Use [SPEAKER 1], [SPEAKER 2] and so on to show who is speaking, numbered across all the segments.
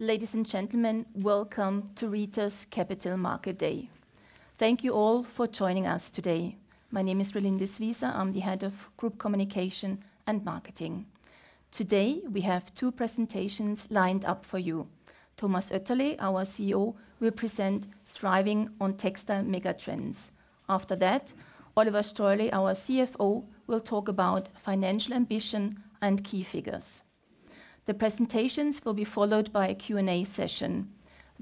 [SPEAKER 1] Ladies and gentlemen, welcome to Rieter's Capital Market Day. Thank you all for joining us today. My name is Relindis Wieser. I'm the Head of Group Communication and Marketing. Today, we have two presentations lined up for you. Thomas Oetterli, our CEO, will present thriving on textile megatrends. After that, Oliver Streuli, our CFO, will talk about financial ambition and key figures. The presentations will be followed by a Q&A session.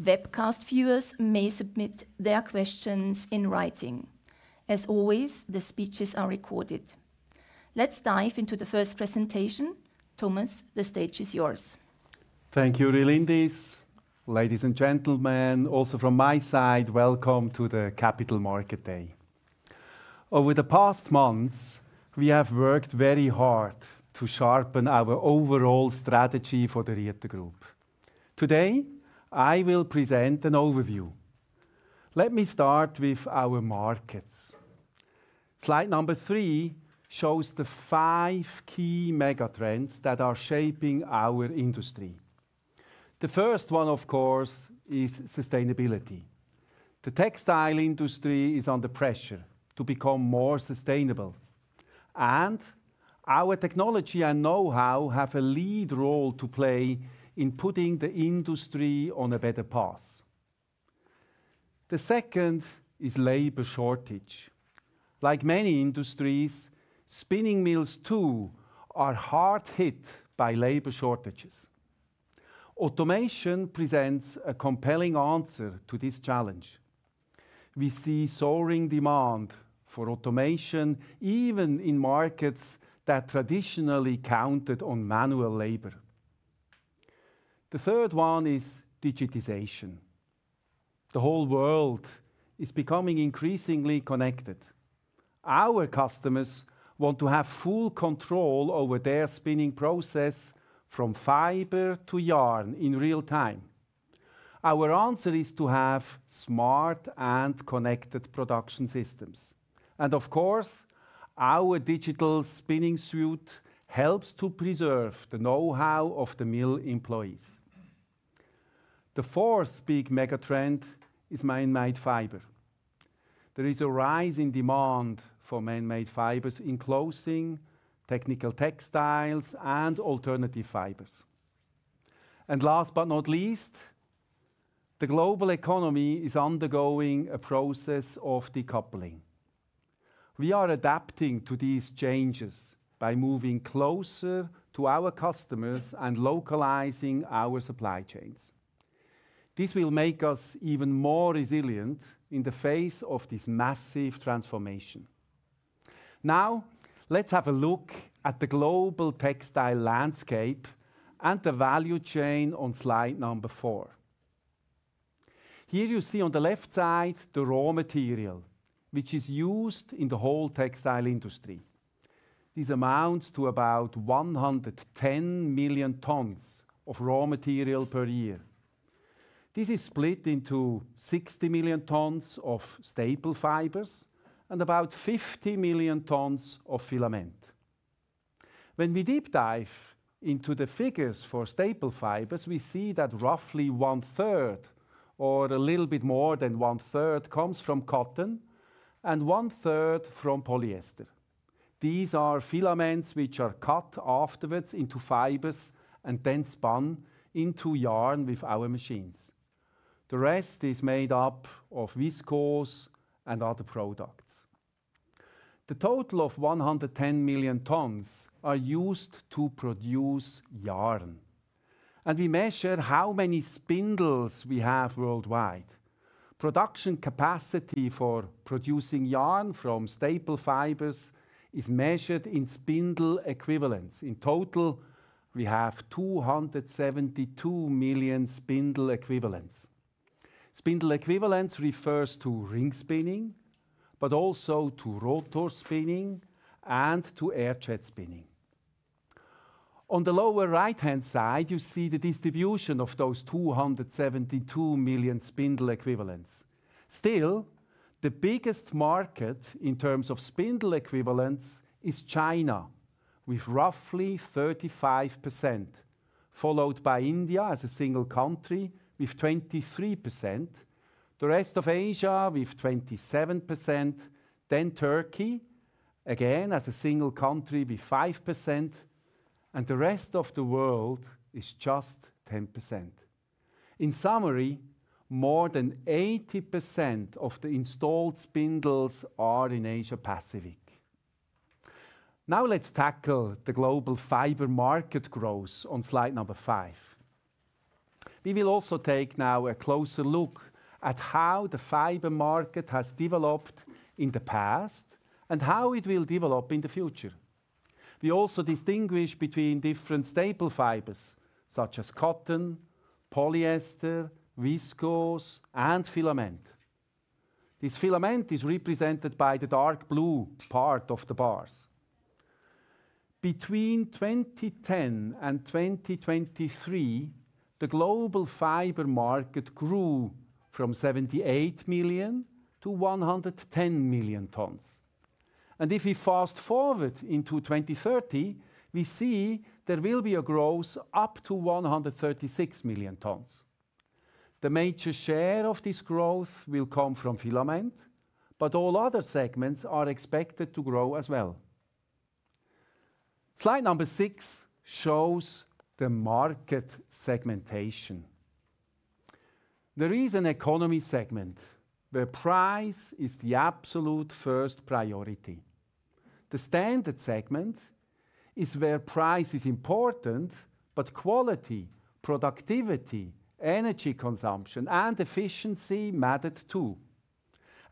[SPEAKER 1] Webcast viewers may submit their questions in writing. As always, the speeches are recorded. Let's dive into the first presentation. Thomas, the stage is yours.
[SPEAKER 2] Thank you, Relindis. Ladies and gentlemen, also from my side, welcome to the Capital Market Day. Over the past months, we have worked very hard to sharpen our overall strategy for the Rieter Group. Today, I will present an overview. Let me start with our markets. Slide number three shows the five key mega trends that are shaping our industry. The first one, of course, is sustainability. The textile industry is under pressure to become more sustainable, and our technology and know-how have a lead role to play in putting the industry on a better path. The second is labor shortage. Like many industries, spinning mills, too, are hard hit by labor shortages. Automation presents a compelling answer to this challenge. We see soaring demand for automation, even in markets that traditionally counted on manual labor. The third one is digitization. The whole world is becoming increasingly connected. Our customers want to have full control over their spinning process, from fiber to yarn, in real time. Our answer is to have smart and connected production systems, and of course, our Digital Spinning Suite helps to preserve the know-how of the mill employees. The fourth big mega trend is man-made fiber. There is a rising demand for man-made fibers in closing, technical textiles, and alternative fibers. And last but not least, the global economy is undergoing a process of decoupling. We are adapting to these changes by moving closer to our customers and localizing our supply chains. This will make us even more resilient in the face of this massive transformation. Now, let's have a look at the global textile landscape and the value chain on slide number four. Here you see on the left side the raw material, which is used in the whole textile industry. This amounts to about one hundred ten million tons of raw material per year. This is split into 60 million tons of staple fibers and about 50 million tons of filament. When we deep dive into the figures for staple fibers, we see that roughly one third, or a little bit more than one third, comes from cotton and one third from polyester. These are filaments which are cut afterwards into fibers and then spun into yarn with our machines. The rest is made up of viscose and other products. The total of 110 million tons are used to produce yarn, and we measure how many spindles we have worldwide. Production capacity for producing yarn from staple fibers is measured in spindle equivalents. In total, we have 272 million spindle equivalents. Spindle equivalents refers to ring spinning, but also to rotor spinning and to air-jet spinning. On the lower right-hand side, you see the distribution of those 272 million spindle equivalents. Still, the biggest market in terms of spindle equivalents is China, with roughly 35%, followed by India as a single country with 23%, the rest of Asia with 27%, then Turkey, again, as a single country, with 5%, and the rest of the world is just 10%. In summary, more than 80% of the installed spindles are in Asia Pacific. Now, let's tackle the global fiber market growth on slide number five. We will also take now a closer look at how the fiber market has developed in the past and how it will develop in the future. We also distinguish between different staple fibers, such as cotton, polyester, viscose, and filament. This filament is represented by the dark blue part of the bars. Between 2010 and 2023, the global fiber market grew from 78 million to 110 million tons. And if we fast-forward into 2030, we see there will be a growth up to 136 million tons. The major share of this growth will come from filament, but all other segments are expected to grow as well. Slide number six shows the market segmentation. There is an economy segment, where price is the absolute first priority. The standard segment is where price is important, but quality, productivity, energy consumption, and efficiency matter, too.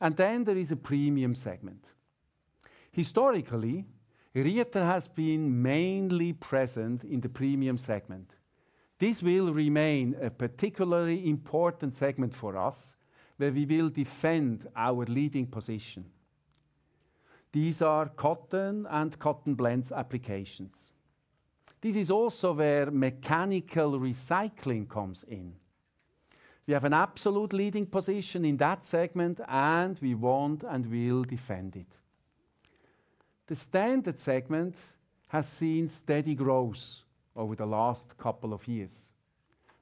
[SPEAKER 2] And then there is a premium segment. Historically, Rieter has been mainly present in the premium segment. This will remain a particularly important segment for us, where we will defend our leading position. These are cotton and cotton blends applications. This is also where mechanical recycling comes in. We have an absolute leading position in that segment, and we want and will defend it. The standard segment has seen steady growth over the last couple of years.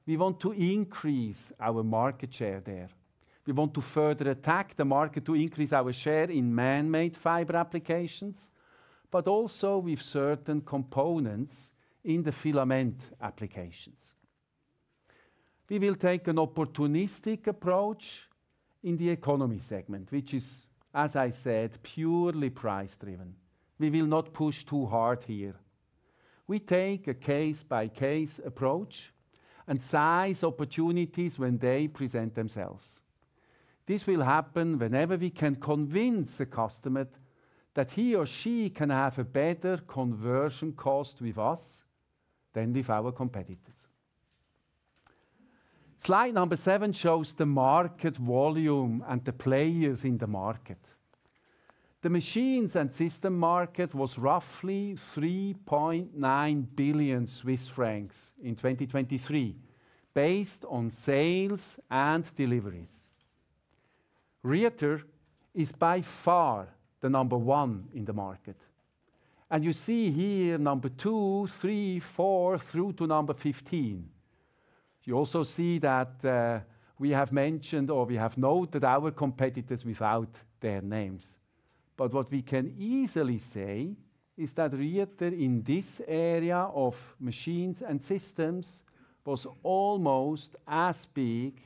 [SPEAKER 2] We want to increase our market share there. We want to further attack the market to increase our share in man-made fiber applications, but also with certain components in the filament applications. We will take an opportunistic approach in the economy segment, which is, as I said, purely price-driven. We will not push too hard here. We take a case-by-case approach and seize opportunities when they present themselves. This will happen whenever we can convince a customer that he or she can have a better conversion cost with us than with our competitors. Slide number seven shows the market volume and the players in the market. The Machines & Systems market was roughly 3.9 billion Swiss francs in 2023, based on sales and deliveries. Rieter is by far the number one in the market, and you see here number two, three, four, through to number 15. You also see that we have mentioned or we have noted our competitors without their names. But what we can easily say is that Rieter, in this area of Machines & Systems, was almost as big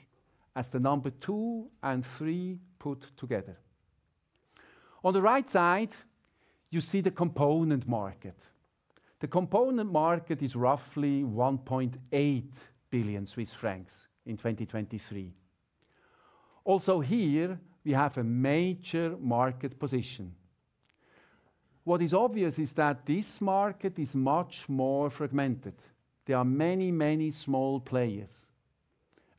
[SPEAKER 2] as the number two and three put together. On the right side, you see the component market. The component market is roughly 1.8 billion Swiss francs in 2023. Also here, we have a major market position. What is obvious is that this market is much more fragmented. There are many, many small players,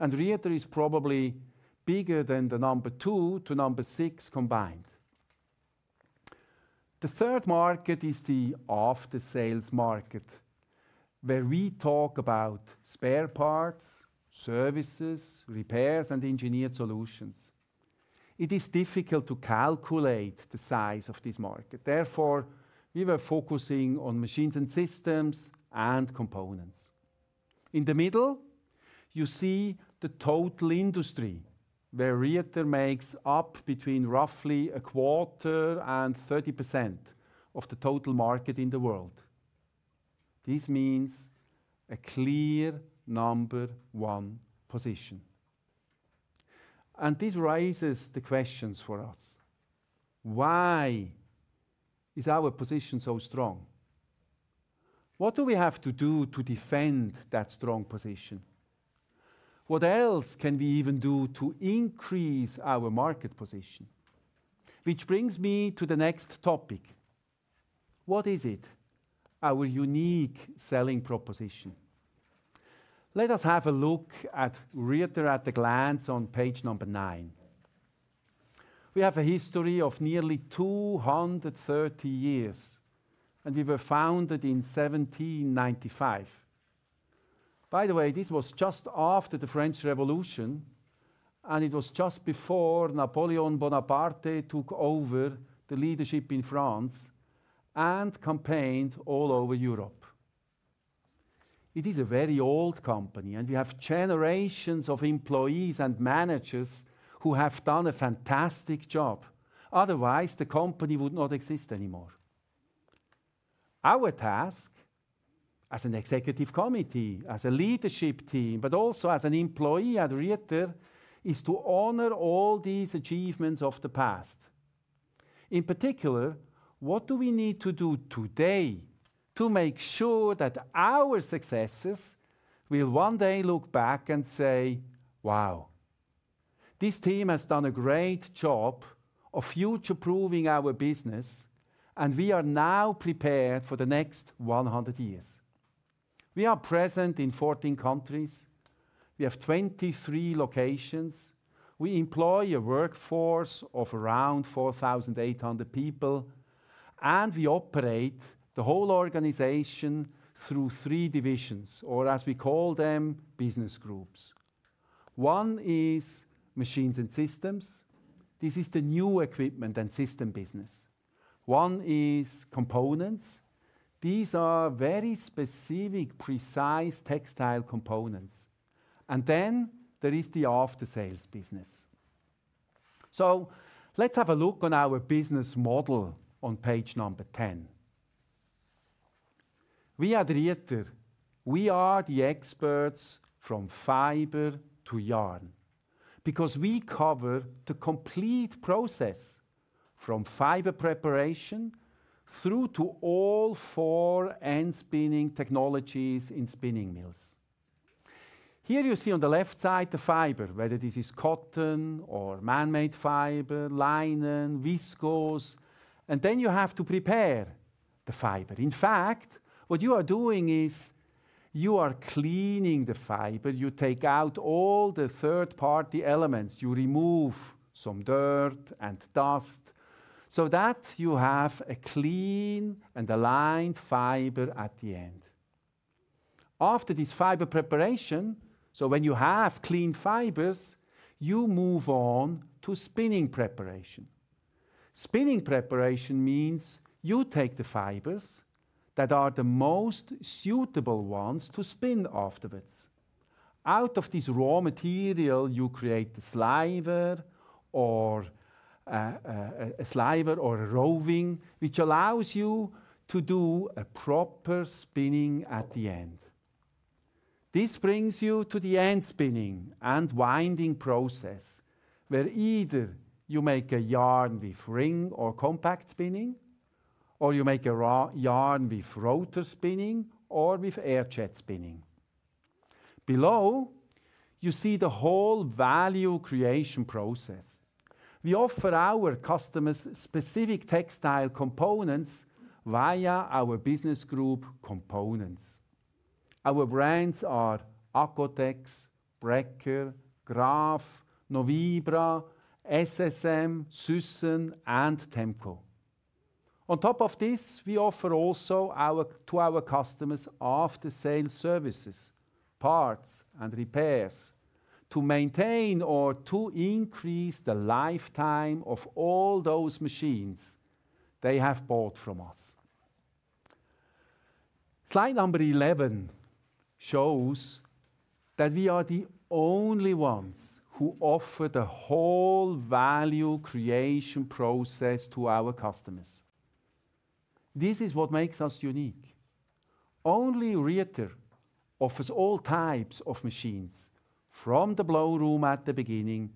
[SPEAKER 2] and Rieter is probably bigger than the number two to number six combined. The third market is the After Sales market, where we talk about spare parts, services, repairs, and engineered solutions. It is difficult to calculate the size of this market. Therefore, we were focusing on Machines & Systems and Components. In the middle, you see the total industry, where Rieter makes up between roughly a quarter and 30% of the total market in the world. This means a clear number one position. And this raises the questions for us: Why is our position so strong? What do we have to do to defend that strong position? What else can we even do to increase our market position? Which brings me to the next topic. What is it, our unique selling proposition? Let us have a look at Rieter at a glance on page number nine. We have a history of nearly 230 years, and we were founded in 1795. By the way, this was just after the French Revolution, and it was just before Napoleon Bonaparte took over the leadership in France and campaigned all over Europe. It is a very old company, and we have generations of employees and managers who have done a fantastic job. Otherwise, the company would not exist anymore. Our task as an Executive Committee, as a leadership team, but also as an employee at Rieter, is to honor all these achievements of the past. In particular, what do we need to do today to make sure that our successes will one day look back and say, "Wow, this team has done a great job of future-proofing our business, and we are now prepared for the next 100 years" We are present in 14 countries. We have 23 locations. We employ a workforce of around 4,800 people, and we operate the whole organization through three divisions, or as we call them, Business Groups. One is Machines & Systems. This is the new equipment and system business. One is Components. These are very specific, precise textile components. And then there is the After Sales business. So let's have a look on our business model on page number 10. We at Rieter, we are the experts from fiber to yarn, because we cover the complete process, from fiber preparation through to all four end spinning technologies in spinning mills. Here you see on the left side, the fiber, whether this is cotton or man-made fiber, linen, viscose, and then you have to prepare the fiber. In fact, what you are doing is you are cleaning the fiber. You take out all the third-party elements. You remove some dirt and dust, so that you have a clean and aligned fiber at the end. After this fiber preparation, so when you have clean fibers, you move on to spinning preparation. Spinning preparation means you take the fibers that are the most suitable ones to spin afterwards. Out of this raw material, you create the sliver or a sliver or a roving, which allows you to do a proper spinning at the end. This brings you to the end spinning and winding process, where either you make a yarn with ring or compact spinning, or you make a raw yarn with rotor spinning or with air-jet spinning. Below, you see the whole value creation process. We offer our customers specific textile components via our Business Group Components. Our brands are Accotex, Bräcker, Graf, Novibra, SSM, Suessen, and Temco. On top of this, we offer also to our customers after-sale services, parts, and repairs to maintain or to increase the lifetime of all those machines they have bought from us. Slide number 11 shows that we are the only ones who offer the whole value creation process to our customers. This is what makes us unique. Only Rieter offers all types of machines, from the blowroom at the beginning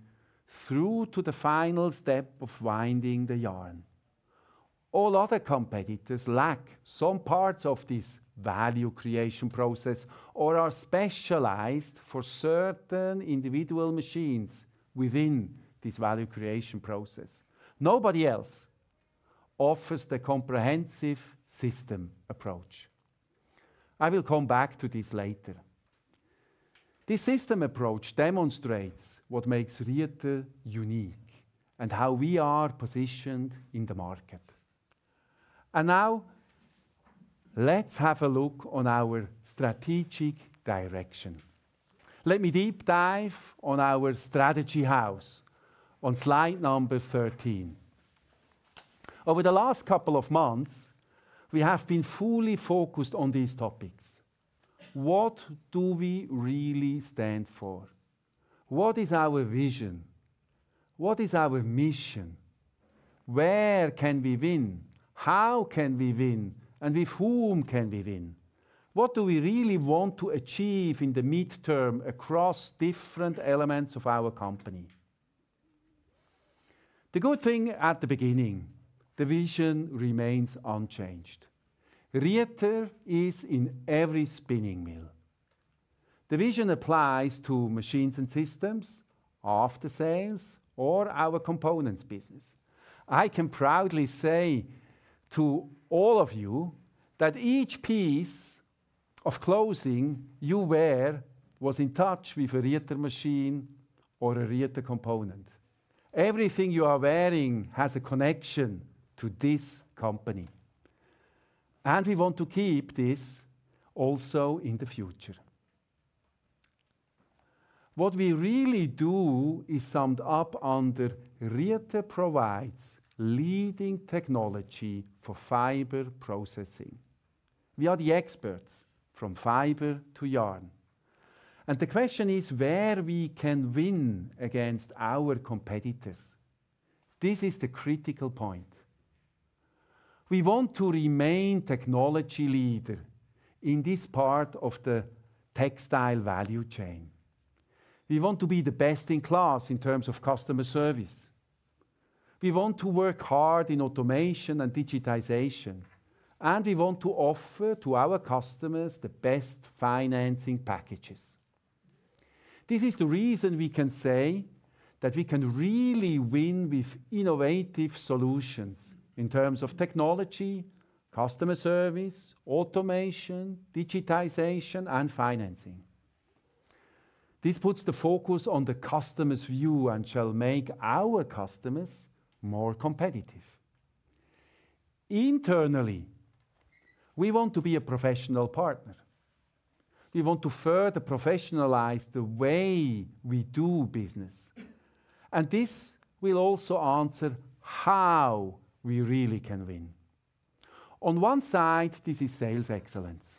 [SPEAKER 2] through to the final step of winding the yarn. All other competitors lack some parts of this value creation process or are specialized for certain individual machines within this value creation process. Nobody else offers the comprehensive system approach. I will come back to this later. This system approach demonstrates what makes Rieter unique and how we are positioned in the market. And now, let's have a look on our strategic direction. Let me deep dive on our Strategy House on slide number 13. Over the last couple of months, we have been fully focused on these topics. What do we really stand for? What is our vision? What is our mission? Where can we win? How can we win, and with whom can we win? What do we really want to achieve in the midterm across different elements of our company? The good thing at the beginning, the vision remains unchanged. Rieter is in every spinning mill. The vision applies to Machines & Systems, After Sales, or our Components business. I can proudly say to all of you that each piece of clothing you wear was in touch with a Rieter machine or a Rieter component. Everything you are wearing has a connection to this company, and we want to keep this also in the future. What we really do is summed up under Rieter provides leading technology for fiber processing. We are the experts from fiber to yarn, and the question is where we can win against our competitors. This is the critical point. We want to remain technology leader in this part of the textile value chain. We want to be the best in class in terms of customer service. We want to work hard in automation and digitization, and we want to offer to our customers the best financing packages. This is the reason we can say that we can really win with innovative solutions in terms of technology, customer service, automation, digitization, and financing. This puts the focus on the customer's view and shall make our customers more competitive. Internally, we want to be a professional partner. We want to further professionalize the way we do business, and this will also answer how we really can win. On one side, this is Sales Excellence.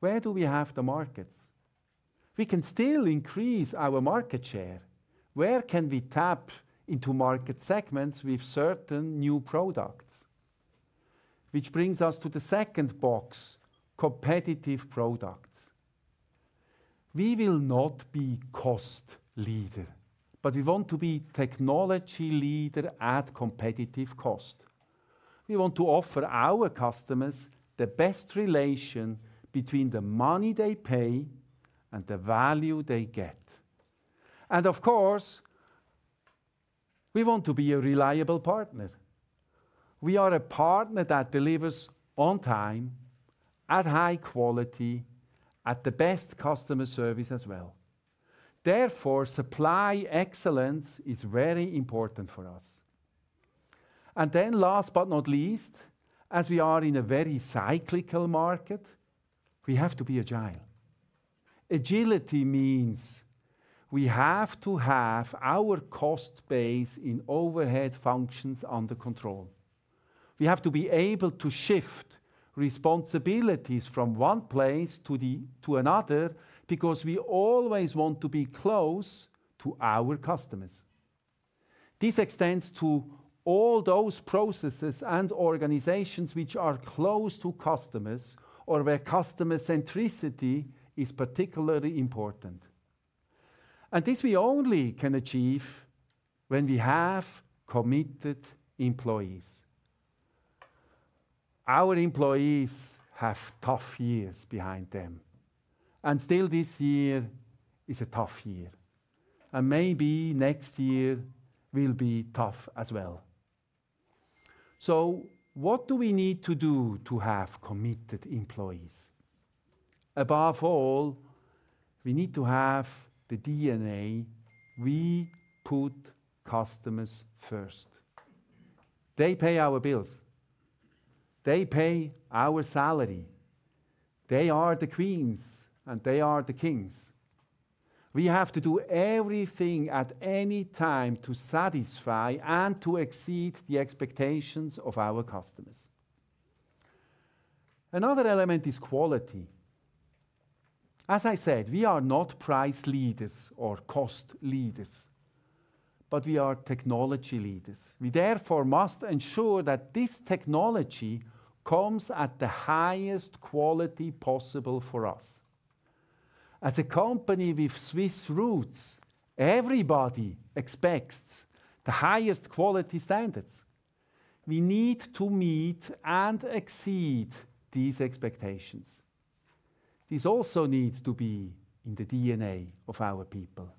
[SPEAKER 2] Where do we have the markets? We can still increase our market share. Where can we tap into market segments with certain new products? Which brings us to the second box: competitive products. We will not be cost leader, but we want to be technology leader at competitive cost. We want to offer our customers the best relation between the money they pay and the value they get. And of course, we want to be a reliable partner. We are a partner that delivers on time, at high quality, at the best customer service as well. Therefore, supply excellence is very important for us. And then last but not least, as we are in a very cyclical market, we have to be agile. Agility means we have to have our cost base in overhead functions under control. We have to be able to shift responsibilities from one place to another, because we always want to be close to our customers. This extends to all those processes and organizations which are close to customers or where customer centricity is particularly important. This we only can achieve when we have committed employees. Our employees have tough years behind them, and still this year is a tough year, and maybe next year will be tough as well. What do we need to do to have committed employees? Above all, we need to have the DNA. We put customers first. They pay our bills. They pay our salary. They are the queens, and they are the kings. We have to do everything at any time to satisfy and to exceed the expectations of our customers. Another element is quality. As I said, we are not price leaders or cost leaders, but we are technology leaders. We therefore must ensure that this technology comes at the highest quality possible for us. As a company with Swiss roots, everybody expects the highest quality standards. We need to meet and exceed these expectations. This also needs to be in the DNA of our people.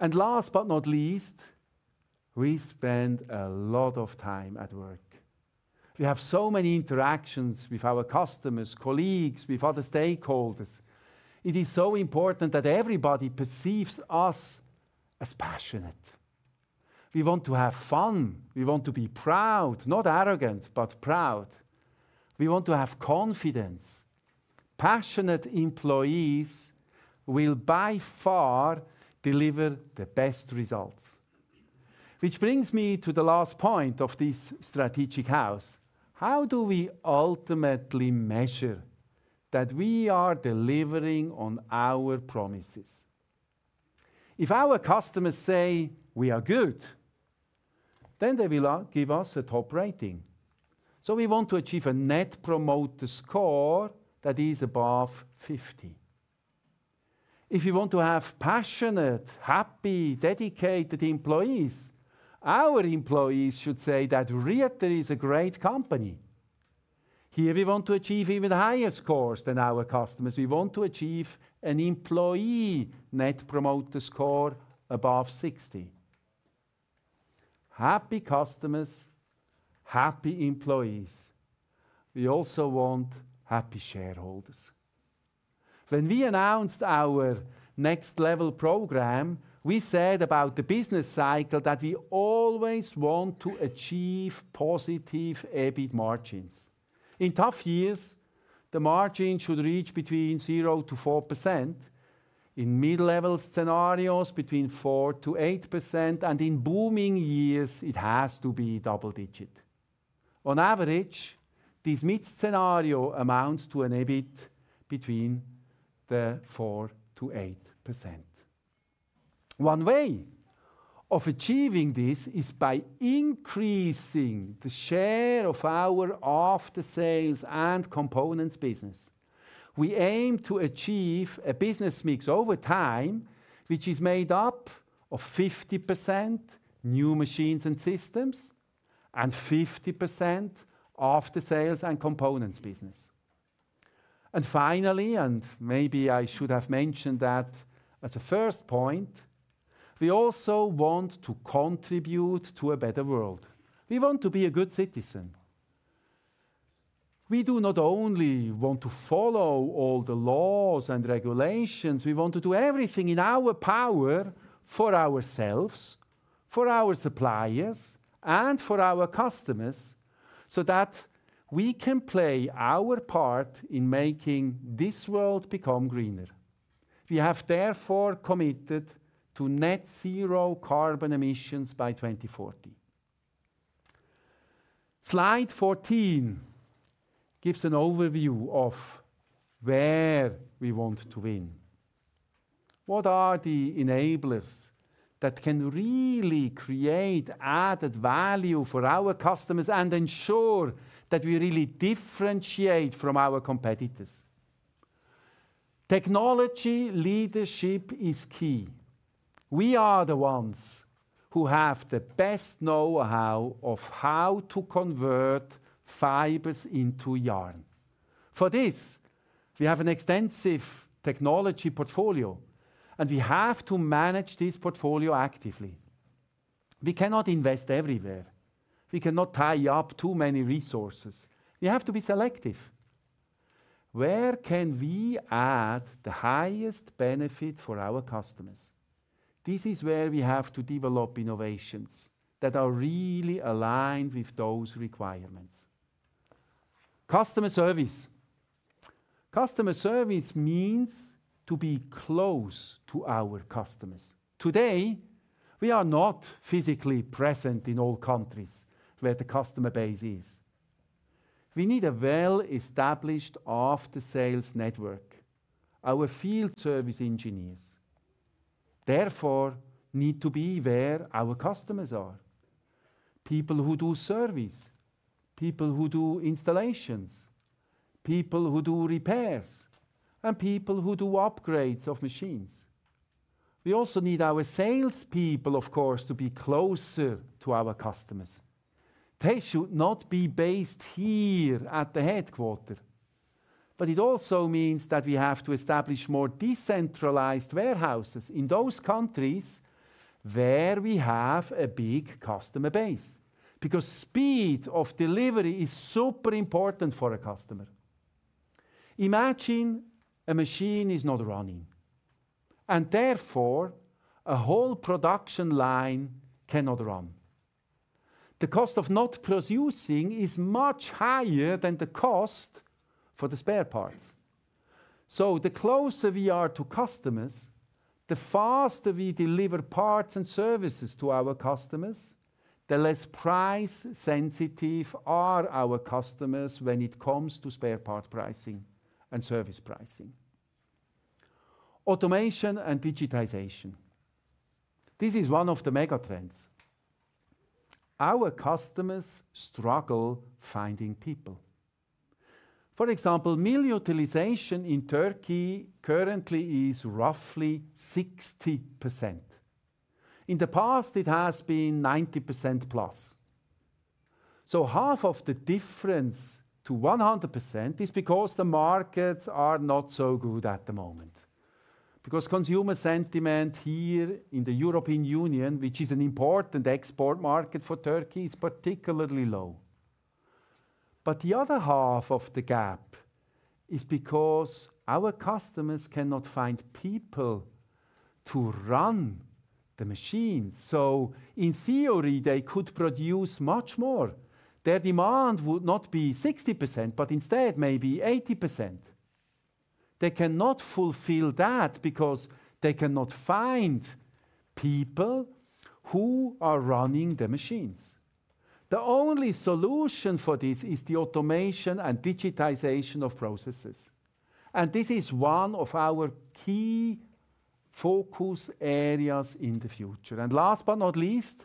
[SPEAKER 2] And last but not least, we spend a lot of time at work. We have so many interactions with our customers, colleagues, with other stakeholders. It is so important that everybody perceives us as passionate. We want to have fun. We want to be proud. Not arrogant, but proud. We want to have confidence. Passionate employees will by far deliver the best results. Which brings me to the last point of this strategic house. How do we ultimately measure that we are delivering on our promises? If our customers say we are good, then they will give us a top rating. So we want to achieve a net promoter score that is above 50. If you want to have passionate, happy, dedicated employees, our employees should say that Rieter is a great company. Here we want to achieve even higher scores than our customers. We want to achieve an employee net promoter score above 60. Happy customers, happy employees. We also want happy shareholders. When we announced our Next Level program, we said about the business cycle that we always want to achieve positive EBIT margins. In tough years, the margin should reach between 0%-4%. In mid-level scenarios, between 4%-8%, and in booming years, it has to be double-digit. On average, this mid-scenario amounts to an EBIT between 4%-8%. One way of achieving this is by increasing the share of our After Sales and Components business. We aim to achieve a business mix over time, which is made up of 50% new Machines & Systems and 50% After Sales and Components business. And finally, and maybe I should have mentioned that as a first point, we also want to contribute to a better world. We want to be a good citizen. We do not only want to follow all the laws and regulations, we want to do everything in our power for ourselves, for our suppliers, and for our customers, so that we can play our part in making this world become greener. We have therefore committed to net zero carbon emissions by 2040. Slide 14 gives an overview of where we want to win. What are the enablers that can really create added value for our customers and ensure that we really differentiate from our competitors? Technology leadership is key. We are the ones who have the best know-how of how to convert fibers into yarn. For this, we have an extensive technology portfolio, and we have to manage this portfolio actively. We cannot invest everywhere. We cannot tie up too many resources. We have to be selective. Where can we add the highest benefit for our customers? This is where we have to develop innovations that are really aligned with those requirements. Customer service. Customer service means to be close to our customers. Today, we are not physically present in all countries where the customer base is. We need a well-established after-sales network. Our field service engineers, therefore, need to be where our customers are. People who do service, people who do installations, people who do repairs, and people who do upgrades of machines. We also need our salespeople, of course, to be closer to our customers. They should not be based here at the headquarters. But it also means that we have to establish more decentralized warehouses in those countries where we have a big customer base, because speed of delivery is super important for a customer. Imagine a machine is not running, and therefore a whole production line cannot run. The cost of not producing is much higher than the cost for the spare parts. So the closer we are to customers, the faster we deliver parts and services to our customers, the less price sensitive are our customers when it comes to spare part pricing and service pricing. Automation and digitization, this is one of the mega trends. Our customers struggle finding people. For example, mill utilization in Turkey currently is roughly 60%. In the past, it has been 90%+. Half of the difference to 100% is because the markets are not so good at the moment, because consumer sentiment here in the European Union, which is an important export market for Turkey, is particularly low. The other half of the gap is because our customers cannot find people to run the machines. In theory, they could produce much more. Their demand would not be 60%, but instead maybe 80%. They cannot fulfill that because they cannot find people who are running the machines. The only solution for this is the automation and digitization of processes, and this is one of our key focus areas in the future. Last but not least,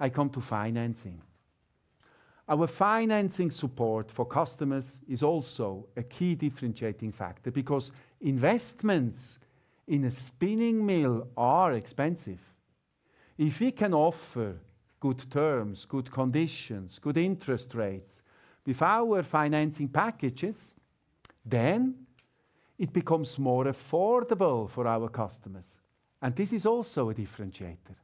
[SPEAKER 2] I come to financing. Our financing support for customers is also a key differentiating factor because investments in a spinning mill are expensive. If we can offer good terms, good conditions, good interest rates with our financing packages, then it becomes more affordable for our customers, and this is also a differentiator.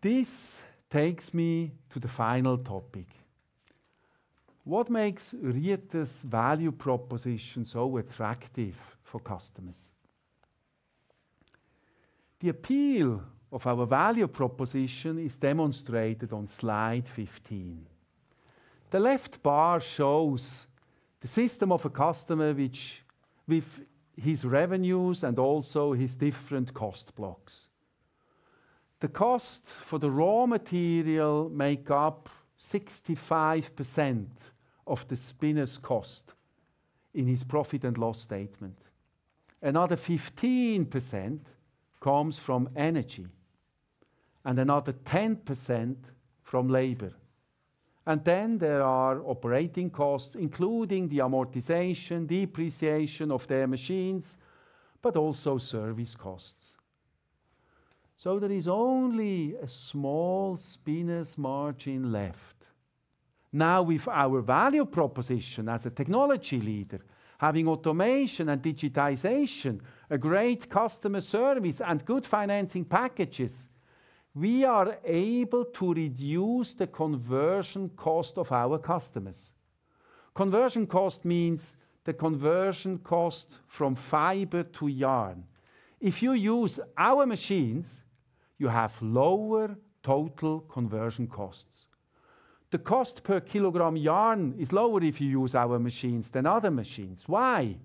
[SPEAKER 2] This takes me to the final topic. What makes Rieter's value proposition so attractive for customers? The appeal of our value proposition is demonstrated on slide 15. The left bar shows the system of a customer, which, with his revenues and also his different cost blocks. The cost for the raw material make up 65% of the spinner's cost in his profit and loss statement. Another 15% comes from energy, and another 10% from labor, and then there are operating costs, including the amortization, depreciation of their machines, but also service costs. So there is only a small spinner's margin left. Now, with our value proposition as a technology leader, having automation and digitization, a great customer service, and good financing packages. We are able to reduce the conversion cost of our customers. Conversion cost means the conversion cost from fiber to yarn. If you use our machines, you have lower total conversion costs. The cost per 1 kg yarn is lower if you use our machines than other machines. Why?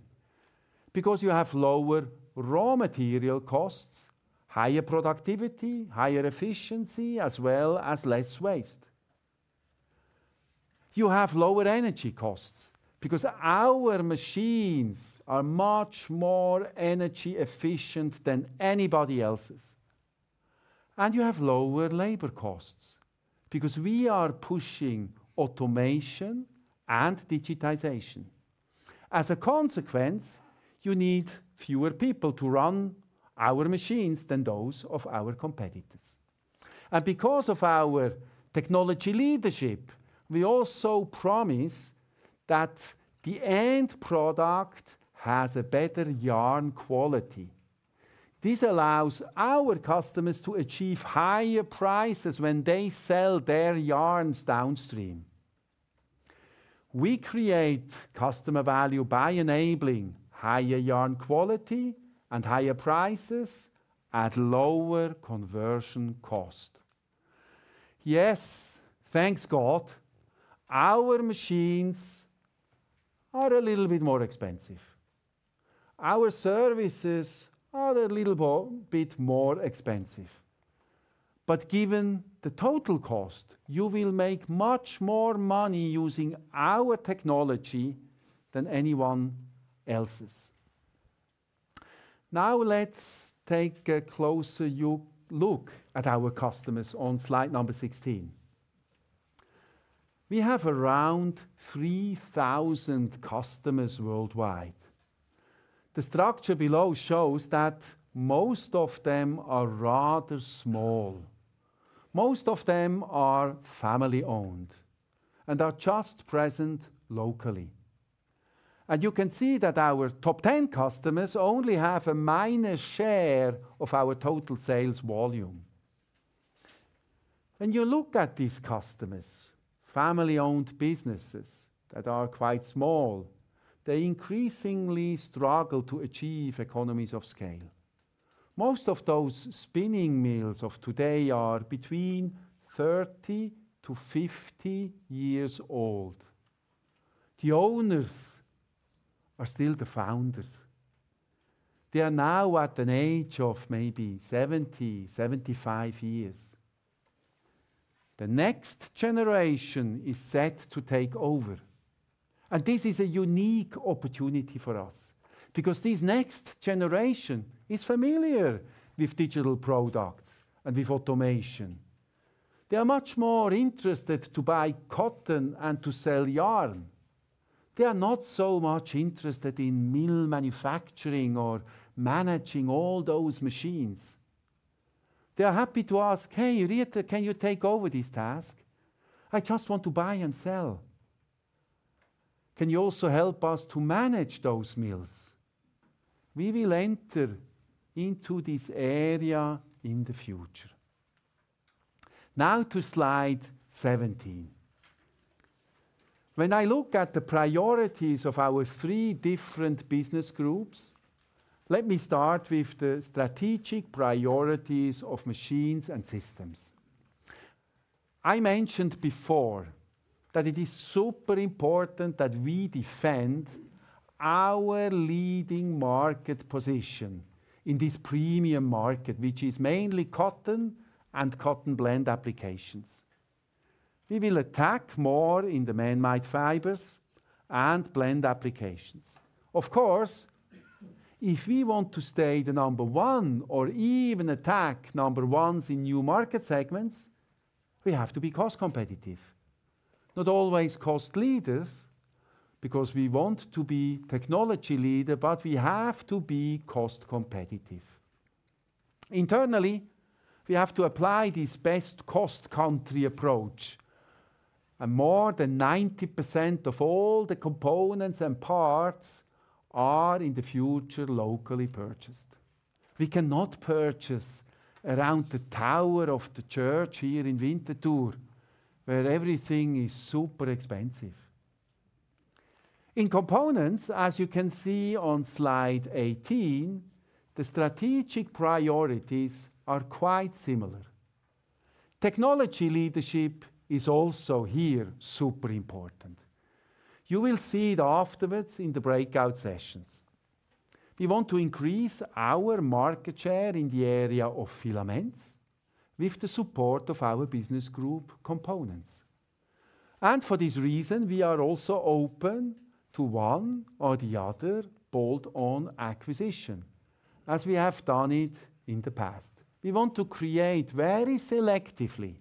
[SPEAKER 2] Because you have lower raw material costs, higher productivity, higher efficiency, as well as less waste. You have lower energy costs because our machines are much more energy efficient than anybody else's. And you have lower labor costs because we are pushing automation and digitization. As a consequence, you need fewer people to run our machines than those of our competitors. And because of our technology leadership, we also promise that the end product has a better yarn quality. This allows our customers to achieve higher prices when they sell their yarns downstream. We create customer value by enabling higher yarn quality and higher prices at lower conversion cost. Yes, thank God, our machines are a little bit more expensive. Our services are a little bit more expensive. But given the total cost, you will make much more money using our technology than anyone else's. Now, let's take a closer look at our customers on slide number 16. We have around 3,000 customers worldwide. The structure below shows that most of them are rather small. Most of them are family-owned and are just present locally. You can see that our top 10 customers only have a minor share of our total sales volume. When you look at these customers, family-owned businesses that are quite small, they increasingly struggle to achieve economies of scale. Most of those spinning mills of today are between 30-50 years old. The owners are still the founders. They are now at an age of maybe 70, 75 years. The next generation is set to take over, and this is a unique opportunity for us because this next generation is familiar with digital products and with automation. They are much more interested to buy cotton and to sell yarn. They are not so much interested in mill manufacturing or managing all those machines. They are happy to ask, "Hey, Rieter, can you take over this task? I just want to buy and sell. Can you also help us to manage those mills?" We will enter into this area in the future. Now to slide 17. When I look at the priorities of our three different Business Groups, let me start with the strategic priorities of Machines & Systems. I mentioned before that it is super important that we defend our leading market position in this premium market, which is mainly cotton and cotton blend applications. We will attack more in the man-made fibers and blend applications. Of course, if we want to stay the number one or even attack number ones in new market segments, we have to be cost competitive. Not always cost leaders, because we want to be technology leader, but we have to be cost competitive. Internally, we have to apply this best cost country approach, and more than 90% of all the components and parts are in the future locally purchased. We cannot purchase around the tower of the church here in Winterthur, where everything is super expensive. In Components, as you can see on slide 18, the strategic priorities are quite similar. Technology leadership is also here super important. You will see it afterwards in the breakout sessions. We want to increase our market share in the area of filaments with the support of our Business Group Components. And for this reason, we are also open to one or the other bolt-on acquisition, as we have done it in the past. We want to create very selectively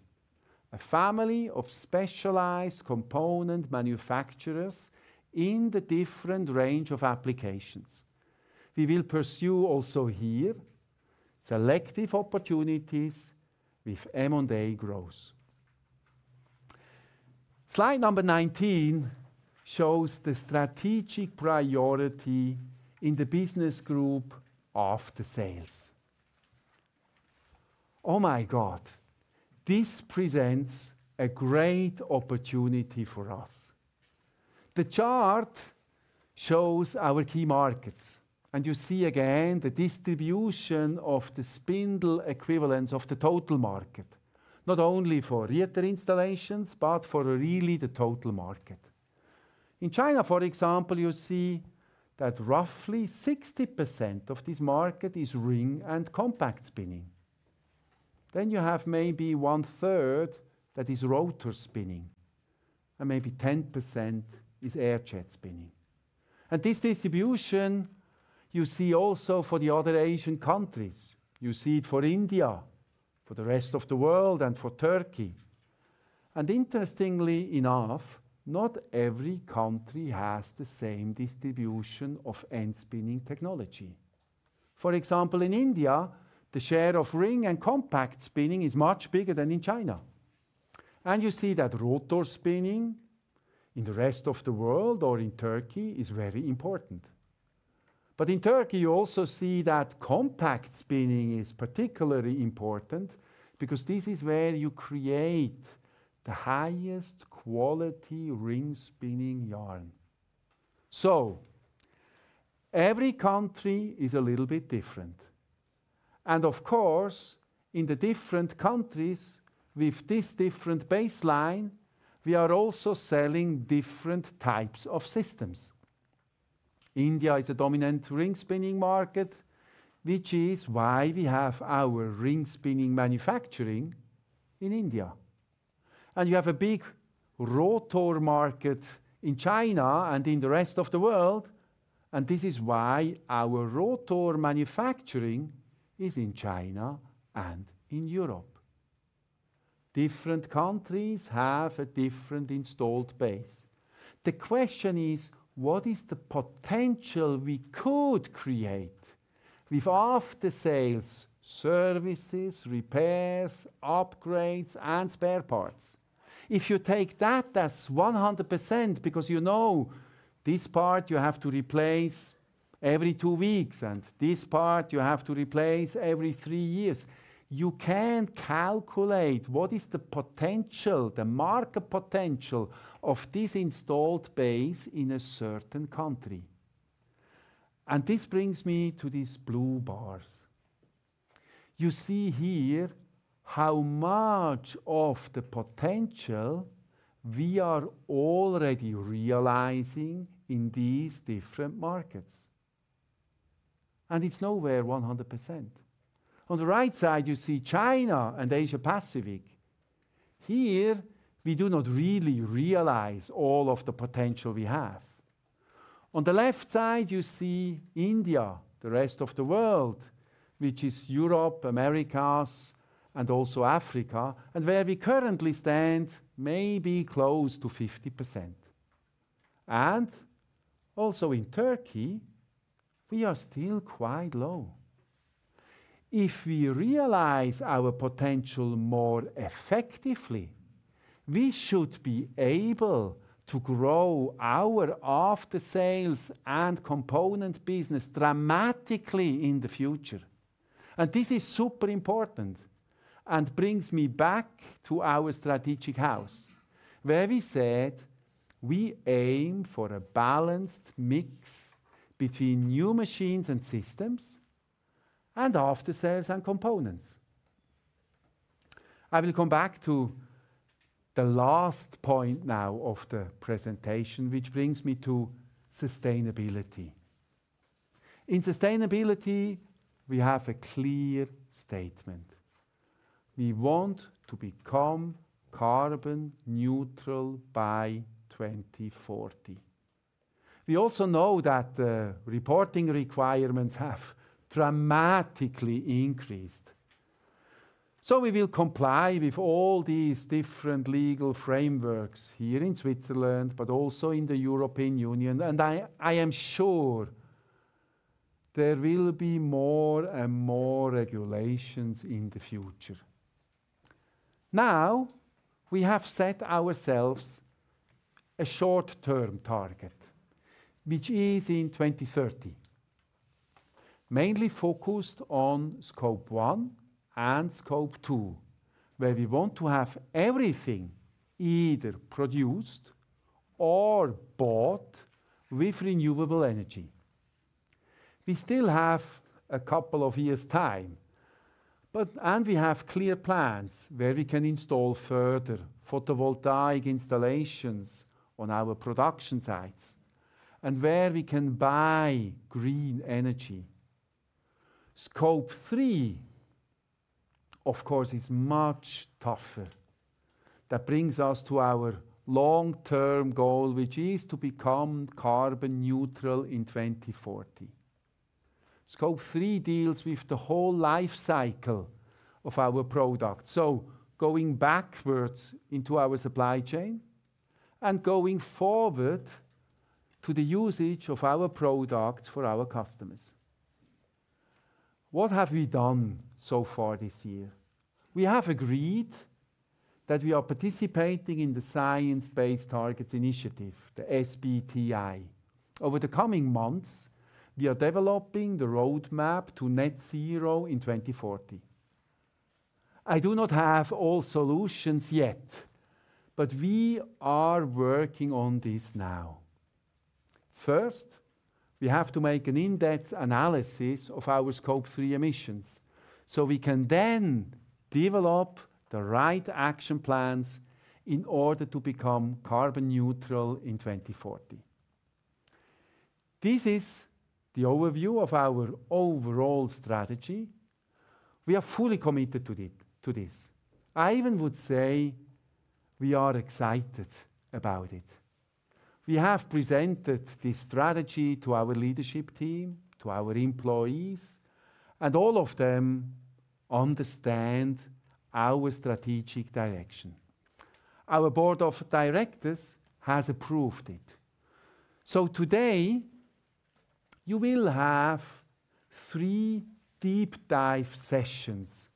[SPEAKER 2] a family of specialized component manufacturers in the different range of applications. We will pursue also here selective opportunities with M&A growth. Slide number 19 shows the strategic priority in the Business Group After Sales. Oh, my God! This presents a great opportunity for us. The chart shows our key markets, and you see again the distribution of the spindle equivalents of the total market, not only for Rieter installations, but for really the total market. In China, for example, you see that roughly 60% of this market is ring and compact spinning. Then you have maybe one third that is rotor spinning, and maybe 10% is air-jet spinning. And this distribution you see also for the other Asian countries. You see it for India, for the rest of the world, and for Turkey. And interestingly enough, not every country has the same distribution of end spinning technology. For example, in India, the share of ring and compact spinning is much bigger than in China. And you see that rotor spinning in the rest of the world or in Turkey is very important. But in Turkey, you also see that compact spinning is particularly important because this is where you create the highest quality ring spinning yarn. So every country is a little bit different, and of course, in the different countries with this different baseline, we are also selling different types of systems. India is a dominant ring spinning market, which is why we have our ring spinning manufacturing in India. And you have a big rotor market in China and in the rest of the world, and this is why our rotor manufacturing is in China and in Europe. Different countries have a different installed base. The question is: What is the potential we could create with After Sales services, repairs, upgrades, and spare parts? If you take that as 100%, because you know, this part you have to replace every two weeks, and this part you have to replace every three years, you can calculate what is the potential, the market potential of this installed base in a certain country. And this brings me to these blue bars. You see here how much of the potential we are already realizing in these different markets, and it's nowhere 100%. On the right side, you see China and Asia Pacific. Here, we do not really realize all of the potential we have. On the left side, you see India, the rest of the world, which is Europe, Americas, and also Africa, and where we currently stand, maybe close to 50%. And also in Turkey, we are still quite low. If we realize our potential more effectively, we should be able to grow our After Sales and Component business dramatically in the future. And this is super important and brings me back to our strategic house, where we said we aim for a balanced mix between new Machines & Systems and After Sales and Components. I will come back to the last point now of the presentation, which brings me to sustainability. In sustainability, we have a clear statement. We want to become carbon neutral by 2040. We also know that the reporting requirements have dramatically increased, so we will comply with all these different legal frameworks here in Switzerland, but also in the European Union, and I, I am sure there will be more and more regulations in the future. Now, we have set ourselves a short-term target, which is in 2030, mainly focused on scope 1 and scope 2, where we want to have everything either produced or bought with renewable energy. We still have a couple of years' time, but and we have clear plans where we can install further photovoltaic installations on our production sites and where we can buy green energy. Scope 3, of course, is much tougher. That brings us to our long-term goal, which is to become carbon neutral in 2040. Scope 3 deals with the whole life cycle of our product, so going backwards into our supply chain and going forward to the usage of our products for our customers. What have we done so far this year? We have agreed that we are participating in the Science-Based Targets Initiative, the SBTi. Over the coming months, we are developing the roadmap to net zero in twenty forty. I do not have all solutions yet, but we are working on this now. First, we have to make an in-depth analysis of our scope emissions, so we can then develop the right action plans in order to become carbon neutral in 2040. This is the overview of our overall strategy. We are fully committed to it, to this. I even would say we are excited about it. We have presented this strategy to our leadership team, to our employees, and all of them understand our strategic direction. Our Board of Directors has approved it, so today you will have three deep dive sessions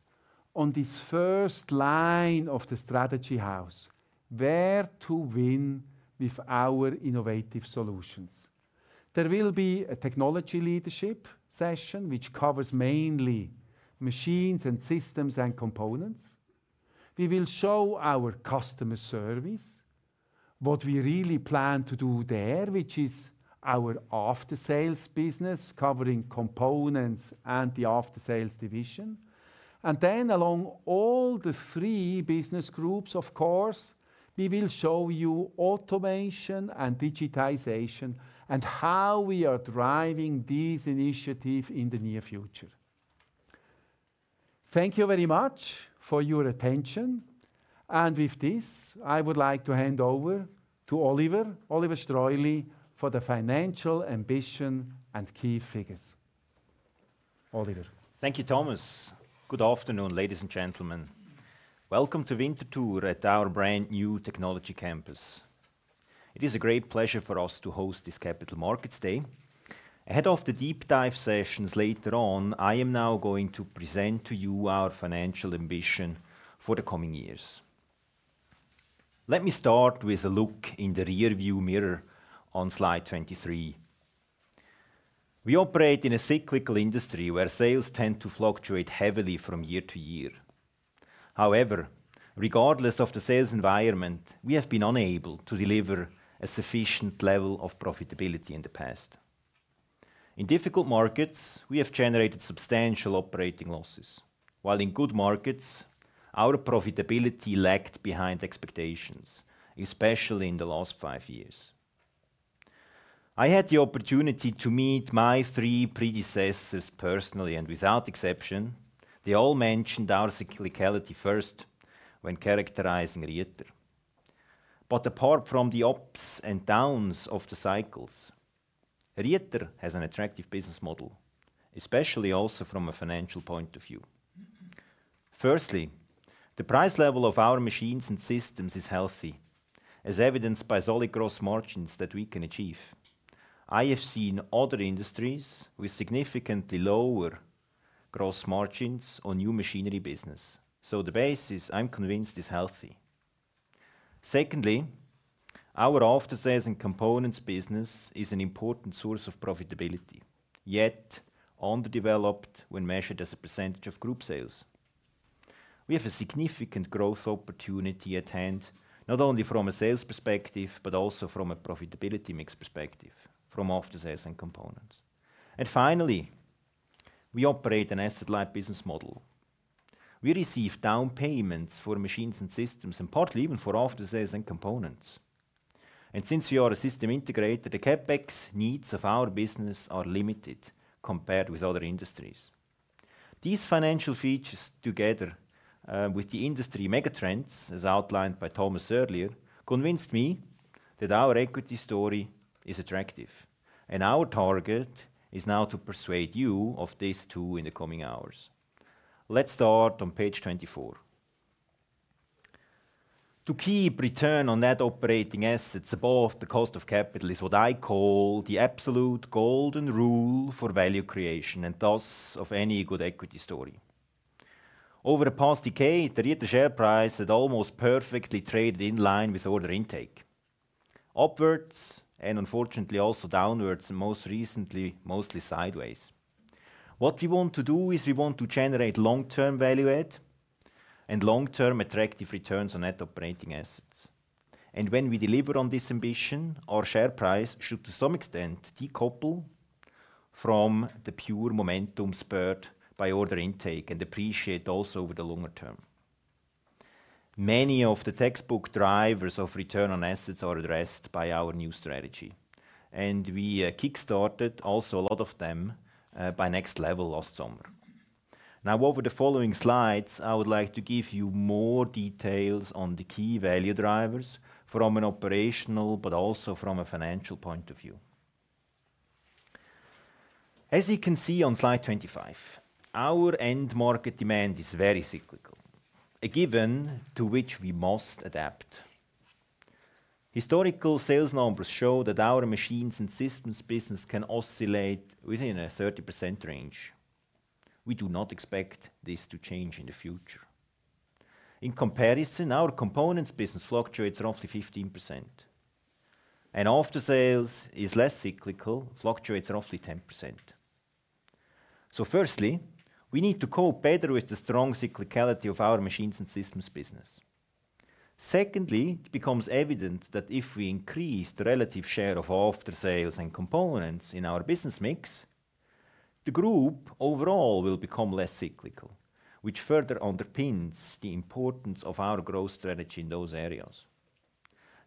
[SPEAKER 2] on this first line of the Strategy House, where to win with our innovative solutions. There will be a technology leadership session, which covers mainly Machines & Systems and Components. We will show our customer service, what we really plan to do there, which is our After Sales business, covering Components and the After Sales division, and then along all the three Business Groups, of course, we will show you automation and digitization and how we are driving this initiative in the near future. Thank you very much for your attention, and with this, I would like to hand over to Oliver, Oliver Streuli, for the financial ambition and key figures. Oliver?
[SPEAKER 3] Thank you, Thomas. Good afternoon, ladies and gentlemen. Welcome to Winterthur at our brand-new technology campus. It is a great pleasure for us to host this Capital Markets Day. Ahead of the deep dive sessions later on, I am now going to present to you our financial ambition for the coming years. Let me start with a look in the rear-view mirror on slide 23. We operate in a cyclical industry, where sales tend to fluctuate heavily from year to year. However, regardless of the sales environment, we have been unable to deliver a sufficient level of profitability in the past. In difficult markets, we have generated substantial operating losses, while in good markets, our profitability lagged behind expectations, especially in the last five years. I had the opportunity to meet my three predecessors personally, and without exception, they all mentioned our cyclicality first when characterizing Rieter. Apart from the ups and downs of the cycles, Rieter has an attractive business model, especially also from a financial point-of-view. Firstly, the price level of our Machines & Systems is healthy, as evidenced by solid gross margins that we can achieve. I have seen other industries with significantly lower gross margins on new machinery business, so the base is, I'm convinced, healthy. Secondly, our After Sales and Components business is an important source of profitability, yet underdeveloped when measured as a percentage of Group sales. We have a significant growth opportunity at hand, not only from a sales perspective, but also from a profitability mix perspective, from After Sales and Components. Finally, we operate an asset-light business model. We receive down payments for Machines & Systems, and partly even for After Sales and Components. Since we are a system integrator, the CapEx needs of our business are limited compared with other industries. These financial features, together with the industry mega trends, as outlined by Thomas earlier, convinced me that our equity story is attractive, and our target is now to persuade you of this, too, in the coming hours. Let's start on page 24. To keep return on net operating assets above the cost of capital is what I call the absolute golden rule for value creation, and thus, of any good equity story. Over the past decade, the Rieter share price had almost perfectly traded in line with order intake, upwards and unfortunately, also downwards, and most recently, mostly sideways. What we want to do is we want to generate long-term value add and long-term attractive returns on net operating assets. When we deliver on this ambition, our share price should, to some extent, decouple from the pure momentum spurred by order intake and appreciate also over the longer term. Many of the textbook drivers of return on assets are addressed by our new strategy, and we kickstarted also a lot of them by Next Level last summer. Now, over the following slides, I would like to give you more details on the key value drivers from an operational, but also from a financial point of view. As you can see on slide 25, our end market demand is very cyclical, a given to which we must adapt. Historical sales numbers show that our Machines & Systems business can oscillate within a 30% range. We do not expect this to change in the future. In comparison, our Components business fluctuates roughly 15%, and After Sales is less cyclical, fluctuates roughly 10%. So firstly, we need to cope better with the strong cyclicality of our Machines & Systems business. Secondly, it becomes evident that if we increase the relative share of After Sales and Components in our business mix, the Group overall will become less cyclical, which further underpins the importance of our growth strategy in those areas.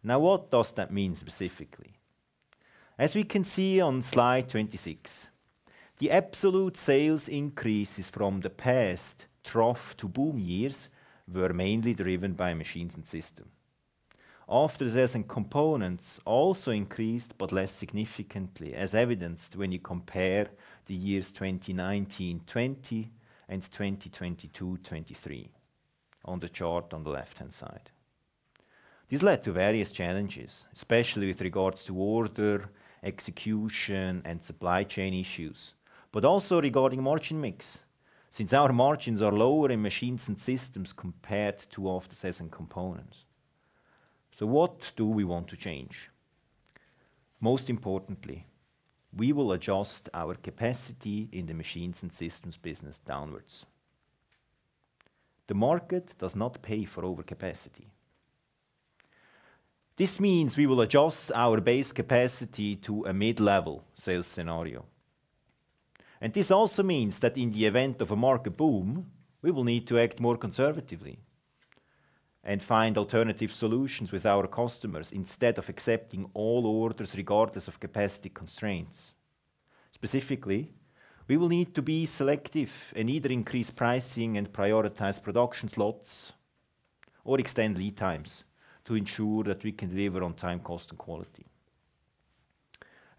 [SPEAKER 3] Now, what does that mean specifically? As we can see on slide 26, the absolute sales increases from the past trough to boom years were mainly driven by Machines & Systems. After Sales and Components also increased, but less significantly, as evidenced when you compare the years 2019-2020 and 2022-2023 on the chart on the left-hand side. This led to various challenges, especially with regards to order, execution, and supply chain issues, but also regarding margin mix, since our margins are lower in Machines & Systems compared to After Sales and Components. So what do we want to change? Most importantly, we will adjust our capacity in the Machines & Systems business downwards. The market does not pay for overcapacity. This means we will adjust our base capacity to a mid-level sales scenario. And this also means that in the event of a market boom, we will need to act more conservatively and find alternative solutions with our customers instead of accepting all orders, regardless of capacity constraints. Specifically, we will need to be selective and either increase pricing and prioritize production slots or extend lead times to ensure that we can deliver on time, cost, and quality.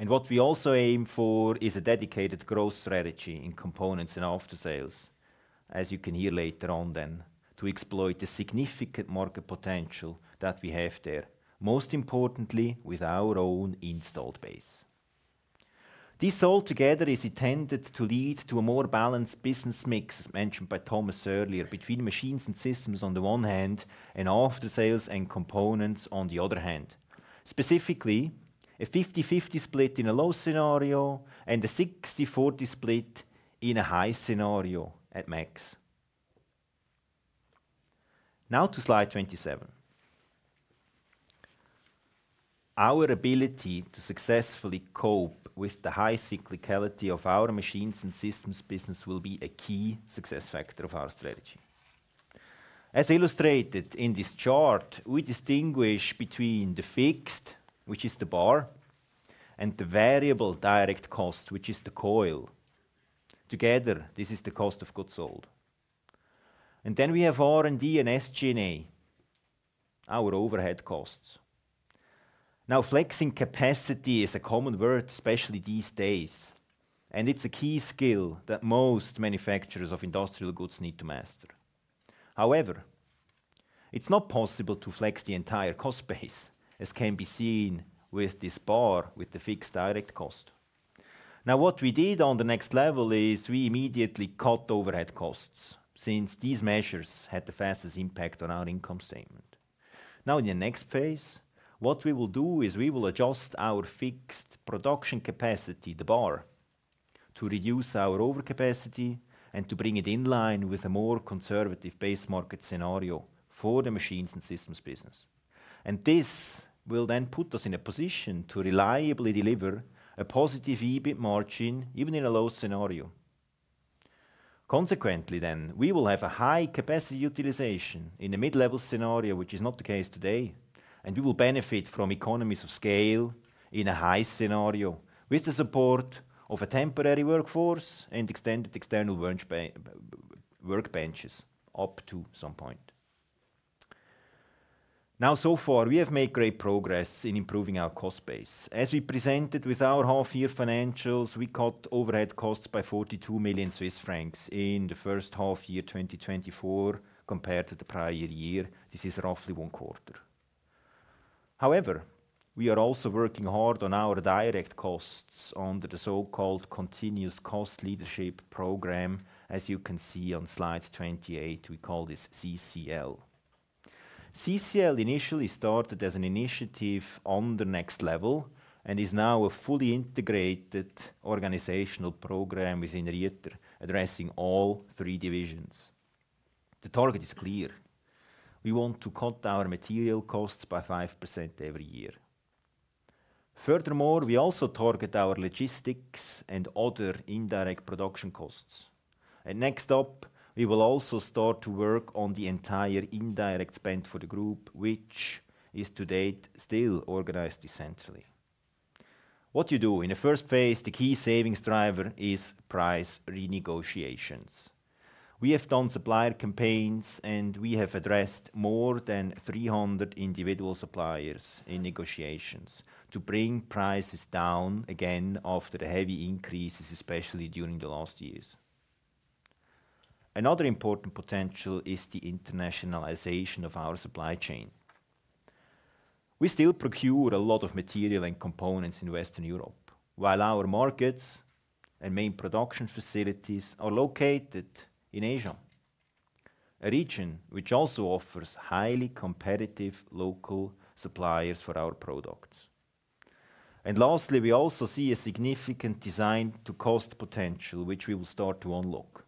[SPEAKER 3] What we also aim for is a dedicated growth strategy in Components and After Sales, as you can hear later on then, to exploit the significant market potential that we have there, most importantly, with our own installed base. This altogether is intended to lead to a more balanced business mix, as mentioned by Thomas earlier, between Machines & Systems on the one hand, and After Sales and Components on the other hand. Specifically, a 50/50 split in a low scenario and a 60/40 split in a high scenario at max. Now to slide 27. Our ability to successfully cope with the high cyclicality of our Machines & Systems business will be a key success factor of our strategy. As illustrated in this chart, we distinguish between the fixed, which is the bar, and the variable direct cost, which is the coil. Together, this is the cost of goods sold. We have R&D and SG&A, our overhead costs. Now, flexing capacity is a common word, especially these days, and it's a key skill that most manufacturers of industrial goods need to master. However, it's not possible to flex the entire cost base, as can be seen with this bar, with the fixed direct cost. Now, what we did on the Next Nevel is we immediately cut overhead costs, since these measures had the fastest impact on our income statement. Now, in the next phase, what we will do is we will adjust our fixed production capacity, the bar, to reduce our overcapacity and to bring it in line with a more conservative base market scenario for the Machines & Systems business. This will then put us in a position to reliably deliver a positive EBIT margin, even in a low scenario. Consequently, then, we will have a high capacity utilization in a mid-level scenario, which is not the case today, and we will benefit from economies of scale in a high scenario with the support of a temporary workforce and extended external workbench, workbenches, up to some point. Now, so far, we have made great progress in improving our cost base. As we presented with our half-year financials, we cut overhead costs by 42 million Swiss francs in the first half year, 2024, compared to the prior year. This is roughly one quarter. However, we are also working hard on our direct costs under the so-called Continuous Cost Leadership program. As you can see on slide 28, we call this CCL. CCL initially started as an initiative on the Next Level and is now a fully integrated organizational program within Rieter, addressing all three divisions. The target is clear: We want to cut our material costs by 5% every year. Furthermore, we also target our logistics and other indirect production costs, and next up, we will also start to work on the entire indirect spend for the Group, which is to date, still organized essentially. What you do? In the first phase, the key savings driver is price renegotiations. We have done supplier campaigns, and we have addressed more than 300 individual suppliers in negotiations to bring prices down again after the heavy increases, especially during the last years... Another important potential is the internationalization of our supply chain. We still procure a lot of material and components in Western Europe, while our markets and main production facilities are located in Asia, a region which also offers highly competitive local suppliers for our products. Lastly, we also see a significant design to cost potential, which we will start to unlock.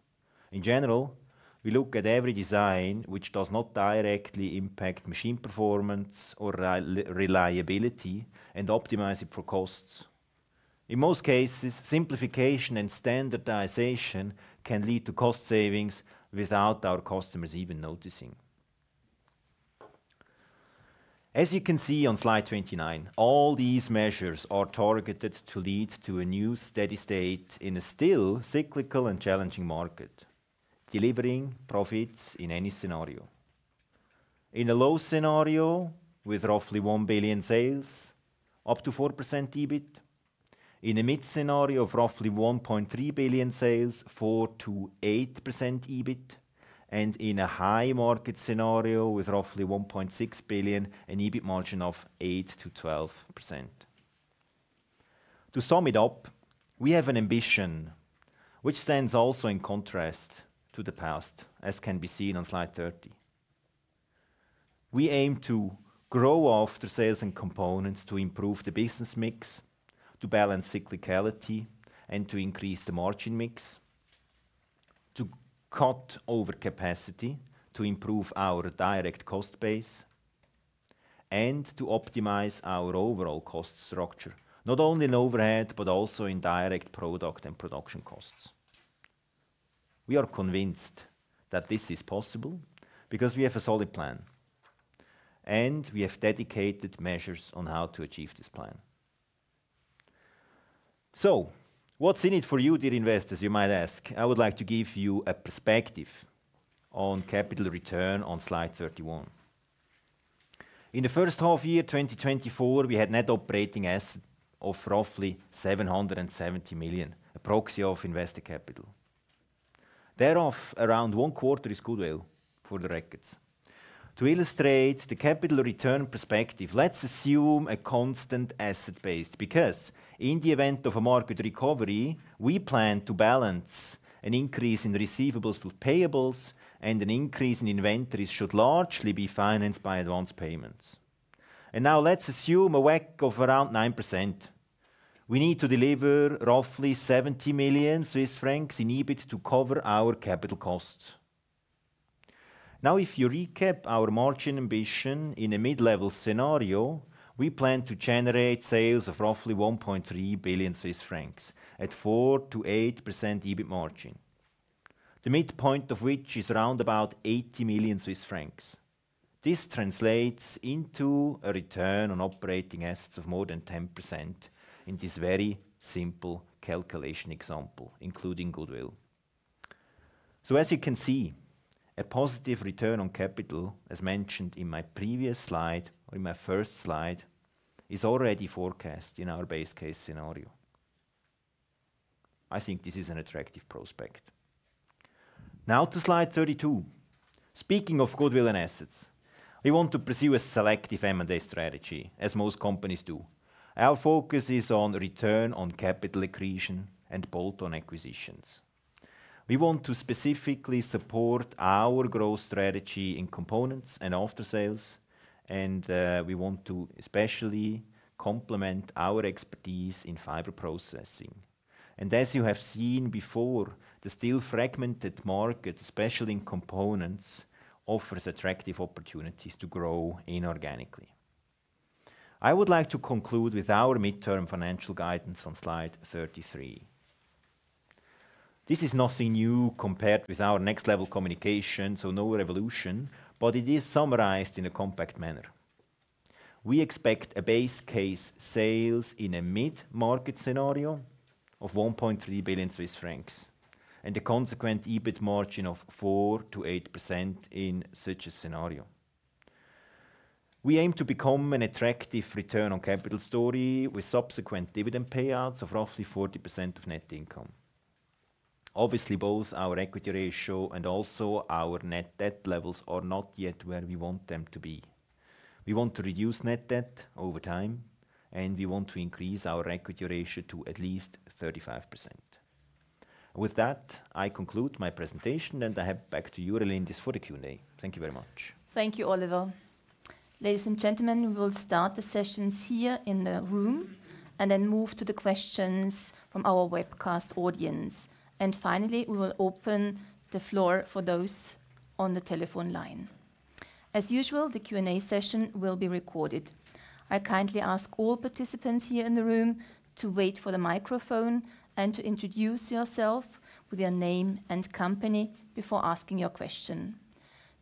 [SPEAKER 3] In general, we look at every design which does not directly impact machine performance or reliability and optimize it for costs. In most cases, simplification and standardization can lead to cost savings without our customers even noticing. As you can see on slide 29, all these measures are targeted to lead to a new steady state in a still cyclical and challenging market, delivering profits in any scenario. In a low scenario, with roughly 1 billion sales, up to 4% EBIT. In a mid scenario of roughly 1.3 billion sales, 4%-8% EBIT. And in a high market scenario, with roughly 1.6 billion, an EBIT margin of 8%-12%. To sum it up, we have an ambition which stands also in contrast to the past, as can be seen on slide 30. We aim to grow After Sales and Components to improve the business mix, to balance cyclicality, and to increase the margin mix, to cut overcapacity, to improve our direct cost base, and to optimize our overall cost structure, not only in overhead, but also in direct product and production costs. We are convinced that this is possible because we have a solid plan, and we have dedicated measures on how to achieve this plan. So what's in it for you, dear investors, you might ask? I would like to give you a perspective on capital return on slide 31. In the first half year, 2024, we had net operating asset of roughly 770 million, a proxy of investor capital. Thereof, around one quarter is goodwill, for the records. To illustrate the capital return perspective, let's assume a constant asset base, because in the event of a market recovery, we plan to balance an increase in receivables with payables, and an increase in inventories should largely be financed by advance payments. And now let's assume a WACC of around 9%. We need to deliver roughly 70 million Swiss francs in EBIT to cover our capital costs. Now, if you recap our margin ambition in a mid-level scenario, we plan to generate sales of roughly 1.3 billion Swiss francs at 4%-8% EBIT margin, the midpoint of which is around about 80 million Swiss francs. This translates into a return on operating assets of more than 10% in this very simple calculation example, including goodwill. As you can see, a positive return on capital, as mentioned in my previous slide or in my first slide, is already forecast in our base case scenario. I think this is an attractive prospect. Now to slide 32. Speaking of goodwill and assets, we want to pursue a selective M&A strategy, as most companies do. Our focus is on return on capital accretion and bolt-on acquisitions. We want to specifically support our growth strategy in Components and After Sales, and we want to especially complement our expertise in fiber processing. And as you have seen before, the still fragmented market, especially in Components, offers attractive opportunities to grow inorganically. I would like to conclude with our midterm financial guidance on slide 33. This is nothing new compared with our Next Level communication, so no revolution, but it is summarized in a compact manner. We expect a base case sales in a mid-market scenario of 1.3 billion Swiss francs and a consequent EBIT margin of 4%-8% in such a scenario. We aim to become an attractive return on capital story, with subsequent dividend payouts of roughly 40% of net income. Obviously, both our equity ratio and also our net debt levels are not yet where we want them to be. We want to reduce net debt over time, and we want to increase our equity ratio to at least 35%. With that, I conclude my presentation, and I hand back to you, Relindis, this for the Q&A. Thank you very much.
[SPEAKER 1] Thank you, Oliver. Ladies and gentlemen, we will start the sessions here in the room and then move to the questions from our webcast audience, and finally, we will open the floor for those on the telephone line. As usual, the Q&A session will be recorded. I kindly ask all participants here in the room to wait for the microphone and to introduce yourself with your name and company before asking your question.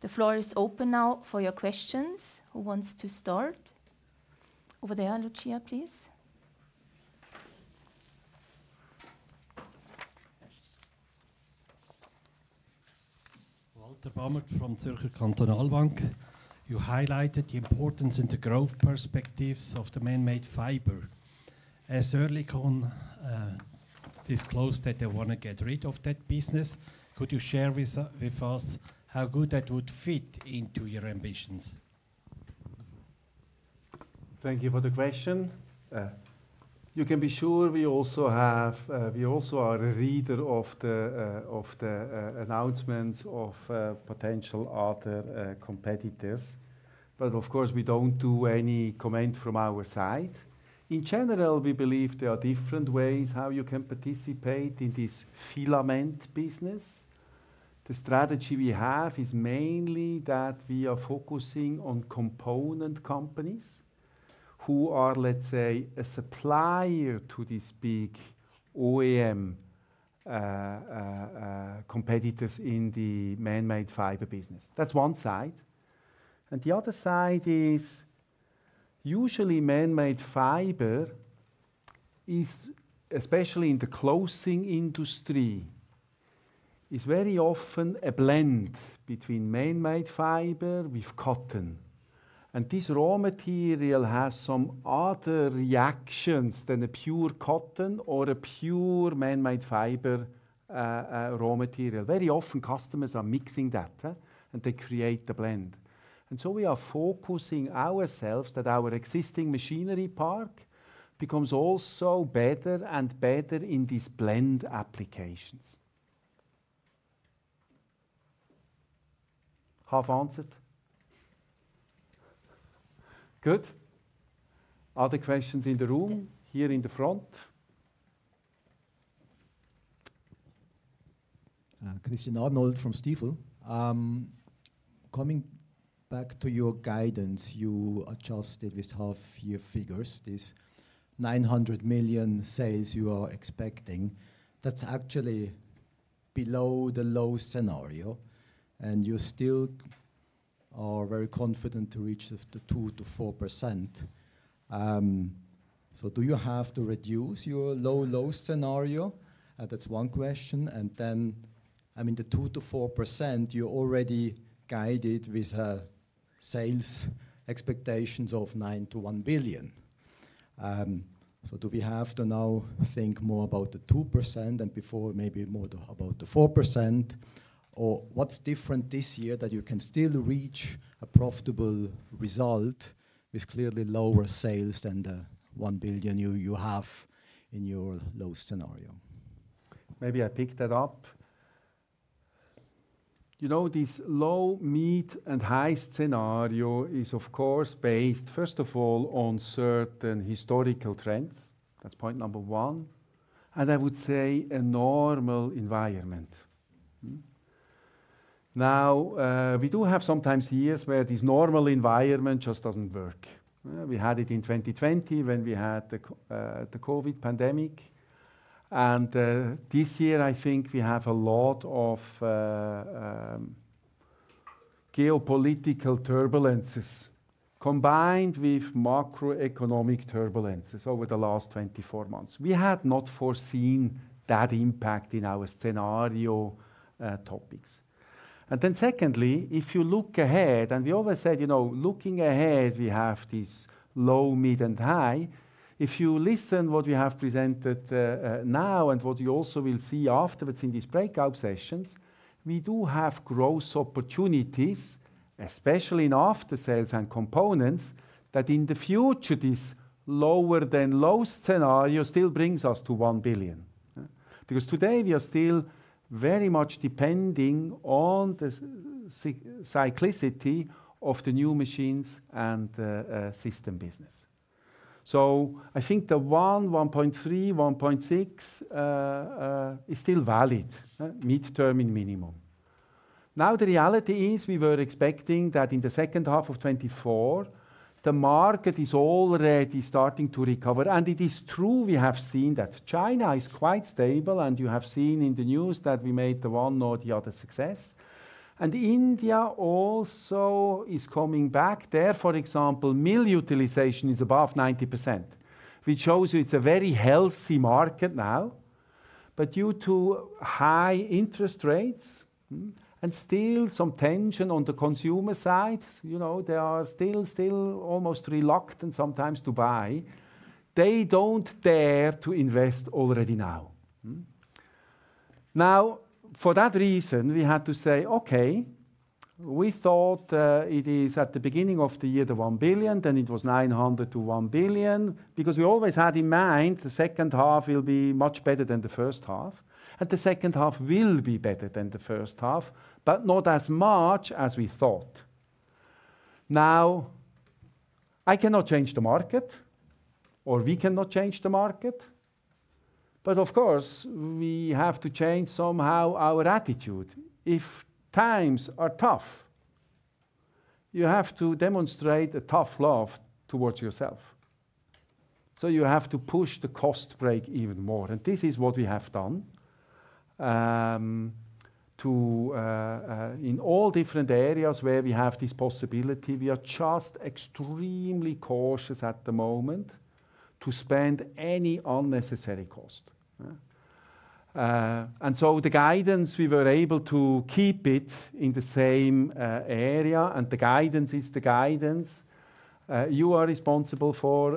[SPEAKER 1] The floor is open now for your questions. Who wants to start? Over there, Lucia, please?
[SPEAKER 4] Walter Bamert from Zürcher Kantonalbank. You highlighted the importance and the growth perspectives of the man-made fiber. As Oerlikon disclosed that they want to get rid of that business, could you share with us how good that would fit into your ambitions?
[SPEAKER 2] Thank you for the question. You can be sure we also are a reader of the announcements of potential other competitors, but of course, we don't do any comment from our side. In general, we believe there are different ways how you can participate in this filament business. The strategy we have is mainly that we are focusing on component companies who are, let's say, a supplier to this big OEM competitors in the man-made fiber business. That's one side, and the other side is usually man-made fiber is, especially in the clothing industry, is very often a blend between man-made fiber with cotton, and this raw material has some other reactions than a pure cotton or a pure man-made fiber raw material. Very often customers are mixing that, and they create the blend. And so we are focusing ourselves that our existing machinery park becomes also better and better in these blend applications. Half answered? Good. Other questions in the room, here in the front?
[SPEAKER 5] Christian Arnold from Stifel. Coming back to your guidance, you adjusted with half year figures, this 900 million sales you are expecting, that's actually below the low scenario, and you still are very confident to reach the 2%-4%. So do you have to reduce your low scenario? That's one question. And then, I mean, the 2%-4%, you already guided with a sales expectations of 900 million to 1 billion. So do we have to now think more about the 2% and before maybe more about the 4%? Or what's different this year that you can still reach a profitable result with clearly lower sales than the 1 billion you have in your low scenario?
[SPEAKER 2] Maybe I pick that up. You know, this low, mid, and high scenario is of course based, first of all, on certain historical trends. That's point number one, and I would say a normal environment. Now, we do have sometimes years where this normal environment just doesn't work. We had it in 2020 when we had the COVID pandemic, and this year, I think we have a lot of geopolitical turbulences combined with macroeconomic turbulences over the last 24 months. We had not foreseen that impact in our scenario topics. And then secondly, if you look ahead, and we always said, you know, looking ahead, we have this low, mid, and high. If you listen what we have presented now and what you also will see afterwards in these breakout sessions, we do have growth opportunities, especially in After Sales and Components, that in the future, this lower than low scenario still brings us to 1 billion. Because today we are still very much depending on the cyclicity of the new Machines & the System business. So I think the 1 billion, 1.3 billion, 1.6 billion is still valid midterm and minimum. Now, the reality is, we were expecting that in the second half of 2024, the market is already starting to recover, and it is true, we have seen that China is quite stable, and you have seen in the news that we made the one or the other success, and India also is coming back. There, for example, mill utilization is above 90%, which shows you it's a very healthy market now. But due to high interest rates, and still some tension on the consumer side, you know, they are still, still almost reluctant sometimes to buy. They don't dare to invest already now. Now, for that reason, we had to say, "Okay, we thought, it is at the beginning of the year, the 1 billion, then it was 900 million to 1 billion," because we always had in mind, the second half will be much better than the first half, and the second half will be better than the first half, but not as much as we thought. Now, I cannot change the market, or we cannot change the market, but of course, we have to change somehow our attitude. If times are tough, you have to demonstrate a tough love towards yourself. So you have to push the cost break even more, and this is what we have done. In all different areas where we have this possibility, we are just extremely cautious at the moment to spend any unnecessary cost, yeah? And so the guidance, we were able to keep it in the same area, and the guidance is the guidance. You are responsible for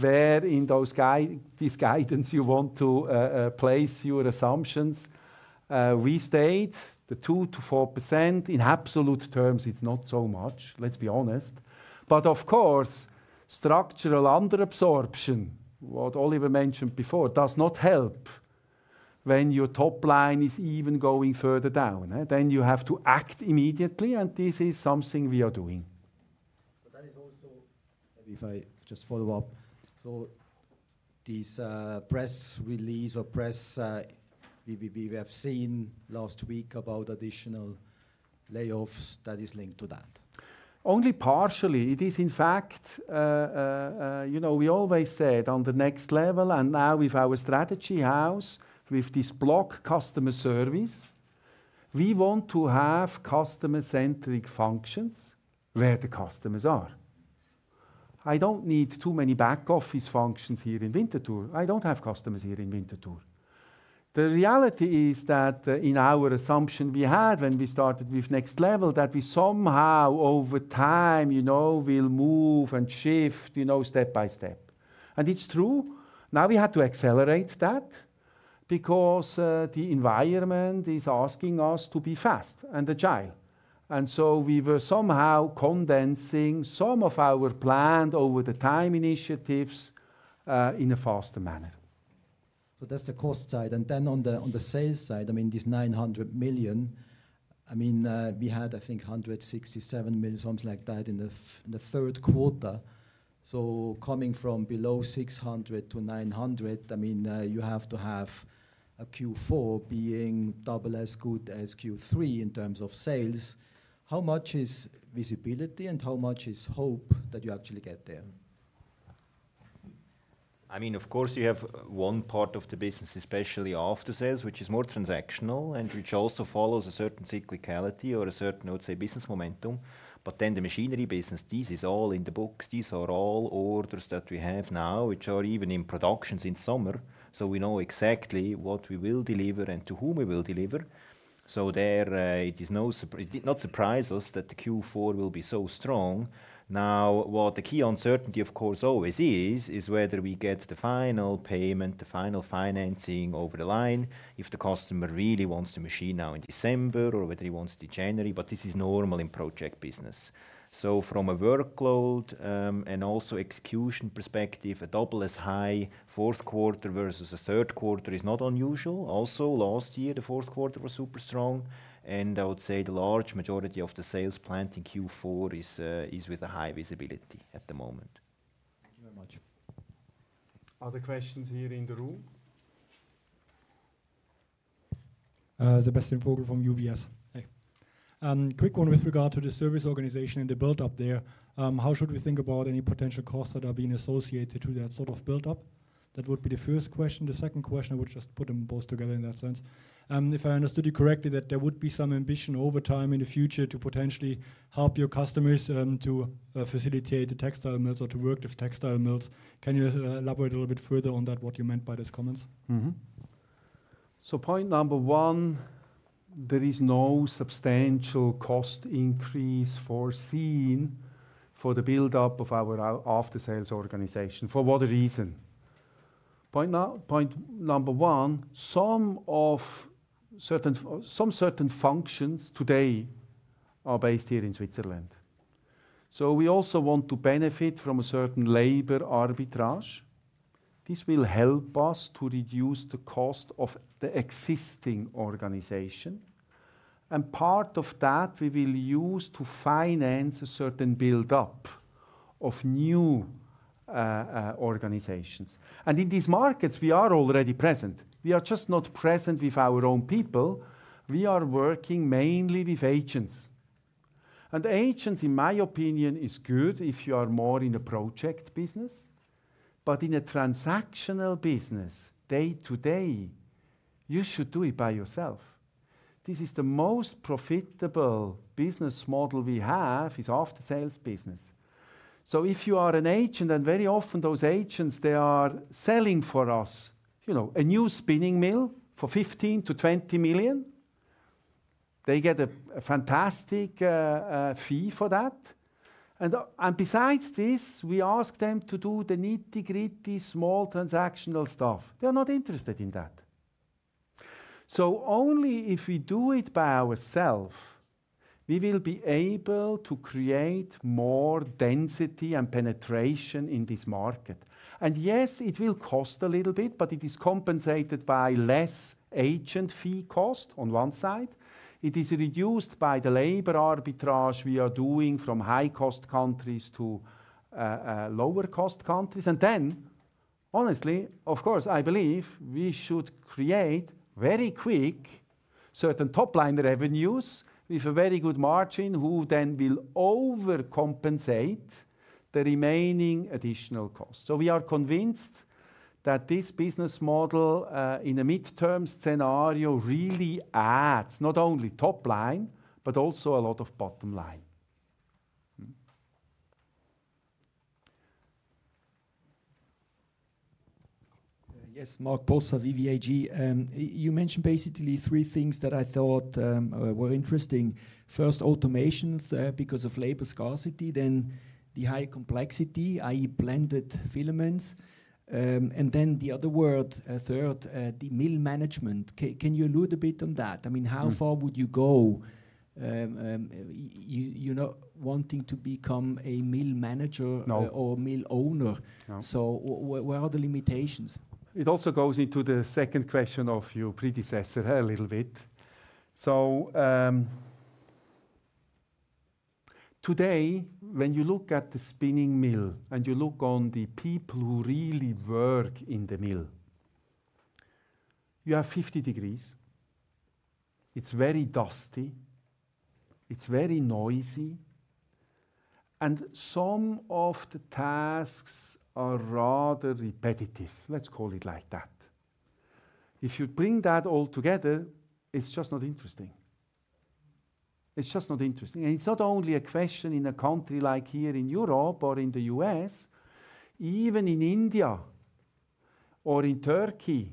[SPEAKER 2] where in those this guidance you want to place your assumptions. We state the 2%-4%. In absolute terms, it's not so much, let's be honest. But of course, structural under absorption, what Oliver mentioned before, does not help when your top line is even going further down. Then you have to act immediately, and this is something we are doing.
[SPEAKER 5] If I just follow up so this press release or press we have seen last week about additional layoffs that is linked to that.
[SPEAKER 2] Only partially. It is, in fact, you know, we always said on the Next Level, and now with our Strategy House, with this block customer service, we want to have customer-centric functions where the customers are. I don't need too many back office functions here in Winterthur. I don't have customers here in Winterthur. The reality is that, in our assumption we had when we started with Next Level, that we somehow over time, you know, will move and shift, you know, step by step, and it's true. Now, we had to accelerate that because the environment is asking us to be fast and agile, and so we were somehow condensing some of our planned over the time initiatives, in a faster manner.
[SPEAKER 5] That's the cost side. And then on the sales side, I mean, this 900 million, I mean, we had, I think, 167 million, something like that, in the third quarter. Coming from below 600 million to 900 million, I mean, you have to have a Q4 being double as good as Q3 in terms of sales. How much is visibility and how much is hope that you actually get there?
[SPEAKER 3] I mean, of course, you have one part of the business, especially After Sales, which is more transactional and which also follows a certain cyclicality or a certain, I would say, business momentum. But then the machinery business, this is all in the books. These are all orders that we have now, which are even in productions in summer. So we know exactly what we will deliver and to whom we will deliver. So there, it did not surprise us that the Q4 will be so strong. Now, what the key uncertainty, of course, always is, is whether we get the final payment, the final financing over the line, if the customer really wants the machine now in December or whether he wants it in January, but this is normal in project business. So from a workload, and also execution perspective, a double as high fourth quarter versus a third quarter is not unusual. Also, last year, the fourth quarter was super strong, and I would say the large majority of the sales planned in Q4 is with a high visibility at the moment.
[SPEAKER 5] Thank you very much.
[SPEAKER 2] Other questions here in the room?
[SPEAKER 6] Sebastian Vogel from UBS. Hey. Quick one with regard to the service organization and the build-up there, how should we think about any potential costs that are being associated to that sort of build-up? That would be the first question. The second question, I would just put them both together in that sense. If I understood you correctly, that there would be some ambition over time in the future to potentially help your customers, to facilitate the textile mills or to work with textile mills. Can you elaborate a little bit further on that, what you meant by those comments?
[SPEAKER 2] Point number one, there is no substantial cost increase foreseen for the build-up of our After Sales organization. For what reason? Point number one, some certain functions today are based here in Switzerland. We also want to benefit from a certain labor arbitrage. This will help us to reduce the cost of the existing organization, and part of that we will use to finance a certain build-up of new organizations. In these markets, we are already present. We are just not present with our own people. We are working mainly with agents. Agents, in my opinion, is good if you are more in a project business, but in a transactional business, day to day, you should do it by yourself. This is the most profitable business model we have, is After Sales business. So if you are an agent, and very often those agents, they are selling for us, you know, a new spinning mill for 15- 20 million. They get a fantastic fee for that, and besides this, we ask them to do the nitty-gritty, small transactional stuff. They are not interested in that. So only if we do it by ourself, we will be able to create more density and penetration in this market. And yes, it will cost a little bit, but it is compensated by less agent fee cost on one side. It is reduced by the labor arbitrage we are doing from high-cost countries to lower-cost countries. And then, honestly, of course, I believe we should create very quick certain top-line revenues with a very good margin, who then will overcompensate the remaining additional costs. So we are convinced-... that this business model, in a midterm scenario, really adds not only top line, but also a lot of bottom line.
[SPEAKER 7] Yes, Marc Possa, VV AG. You mentioned basically three things that I thought were interesting. First, automation because of labor scarcity, then the high complexity, i.e., blended filaments, and then the other word, third, the mill management. Can you allude a bit on that? I mean, how far would you go, you know, wanting to become a mill manager-
[SPEAKER 2] No.
[SPEAKER 7] -or a mill owner?
[SPEAKER 2] No.
[SPEAKER 7] Where are the limitations?
[SPEAKER 2] It also goes into the second question of your predecessor, a little bit. So, today, when you look at the spinning mill, and you look on the people who really work in the mill, you have fifty degrees. It's very dusty, it's very noisy, and some of the tasks are rather repetitive, let's call it like that. If you bring that all together, it's just not interesting. It's just not interesting. And it's not only a question in a country like here in Europe or in the U.S. Even in India or in Turkey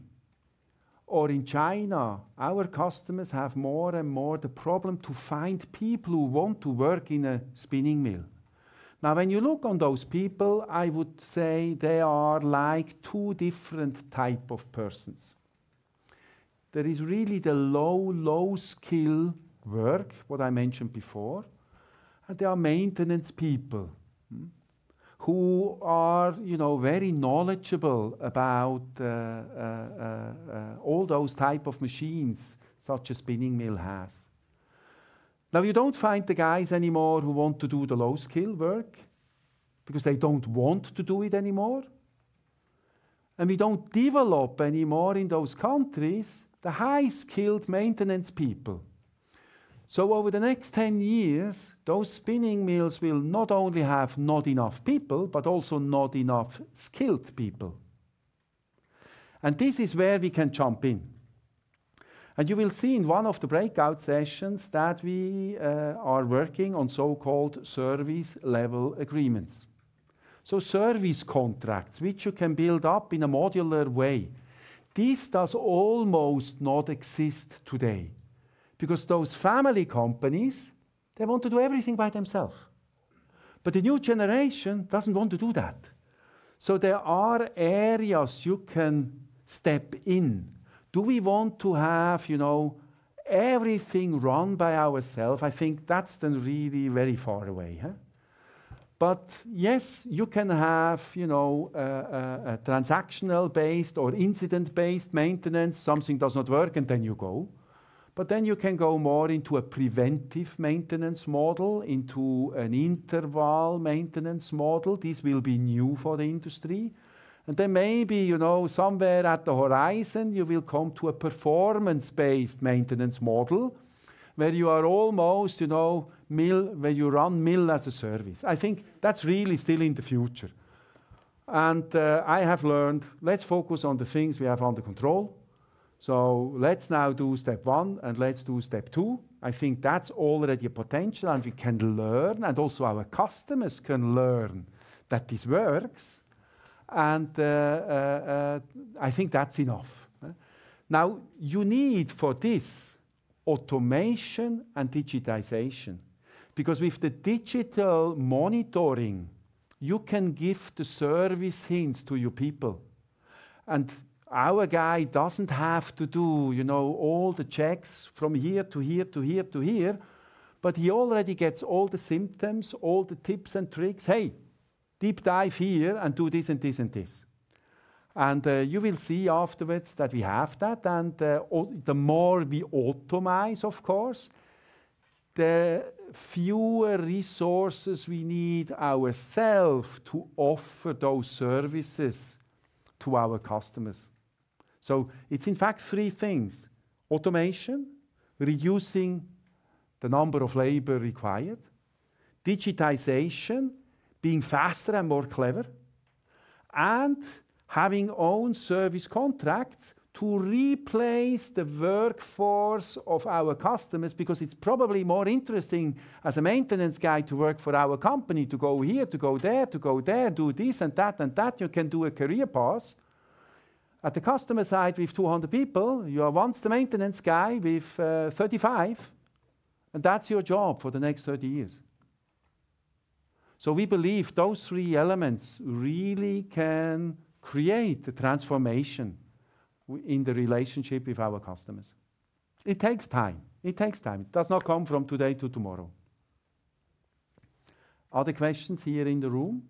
[SPEAKER 2] or in China, our customers have more and more the problem to find people who want to work in a spinning mill. Now, when you look on those people, I would say they are like two different type of persons. There is really the low, low skill work, what I mentioned before, and there are maintenance people, who are, you know, very knowledgeable about, all those type of machines, such a spinning mill has. Now, you don't find the guys anymore who want to do the low-skill work because they don't want to do it anymore, and we don't develop anymore in those countries, the high-skilled maintenance people. So over the next 10 years, those spinning mills will not only have not enough people, but also not enough skilled people. And this is where we can jump in. And you will see in one of the breakout sessions that we, are working on so-called service level agreements. So service contracts, which you can build up in a modular way. This does almost not exist today, because those family companies, they want to do everything by themselves, but the new generation doesn't want to do that. So there are areas you can step in. Do we want to have, you know, everything run by ourselves? I think that's then really very far away, huh? But yes, you can have, you know, a transactional-based or incident-based maintenance. Something does not work, and then you go. But then you can go more into a preventive maintenance model, into an interval maintenance model. This will be new for the industry. And then maybe, you know, somewhere at the horizon, you will come to a performance-based maintenance model, where you are almost, you know, where you run mill as a service. I think that's really still in the future. I have learned, let's focus on the things we have under control. Let's now do step one, and let's do step two. I think that's already a potential, and we can learn, and also our customers can learn that this works, and I think that's enough, huh? Now, you need for this, automation and digitization, because with the digital monitoring, you can give the service hints to your people. Our guy doesn't have to do, you know, all the checks from here to here, to here to here, but he already gets all the symptoms, all the tips and tricks. "Hey, deep dive here and do this and this and this." You will see afterwards that we have that, and all the more we automate, of course, the fewer resources we need ourselves to offer those services to our customers. So it's in fact three things: automation, reducing the number of labor required. Digitization, being faster and more clever. And having own service contracts to replace the workforce of our customers, because it's probably more interesting as a maintenance guy to work for our company, to go here, to go there, to go there, do this and that, and that you can do a career path. At the customer side, with 200 people, you are once the maintenance guy with 35, and that's your job for the next 30 years. So we believe those three elements really can create the transformation with in the relationship with our customers. It takes time. It takes time. It does not come from today to tomorrow. Other questions here in the room?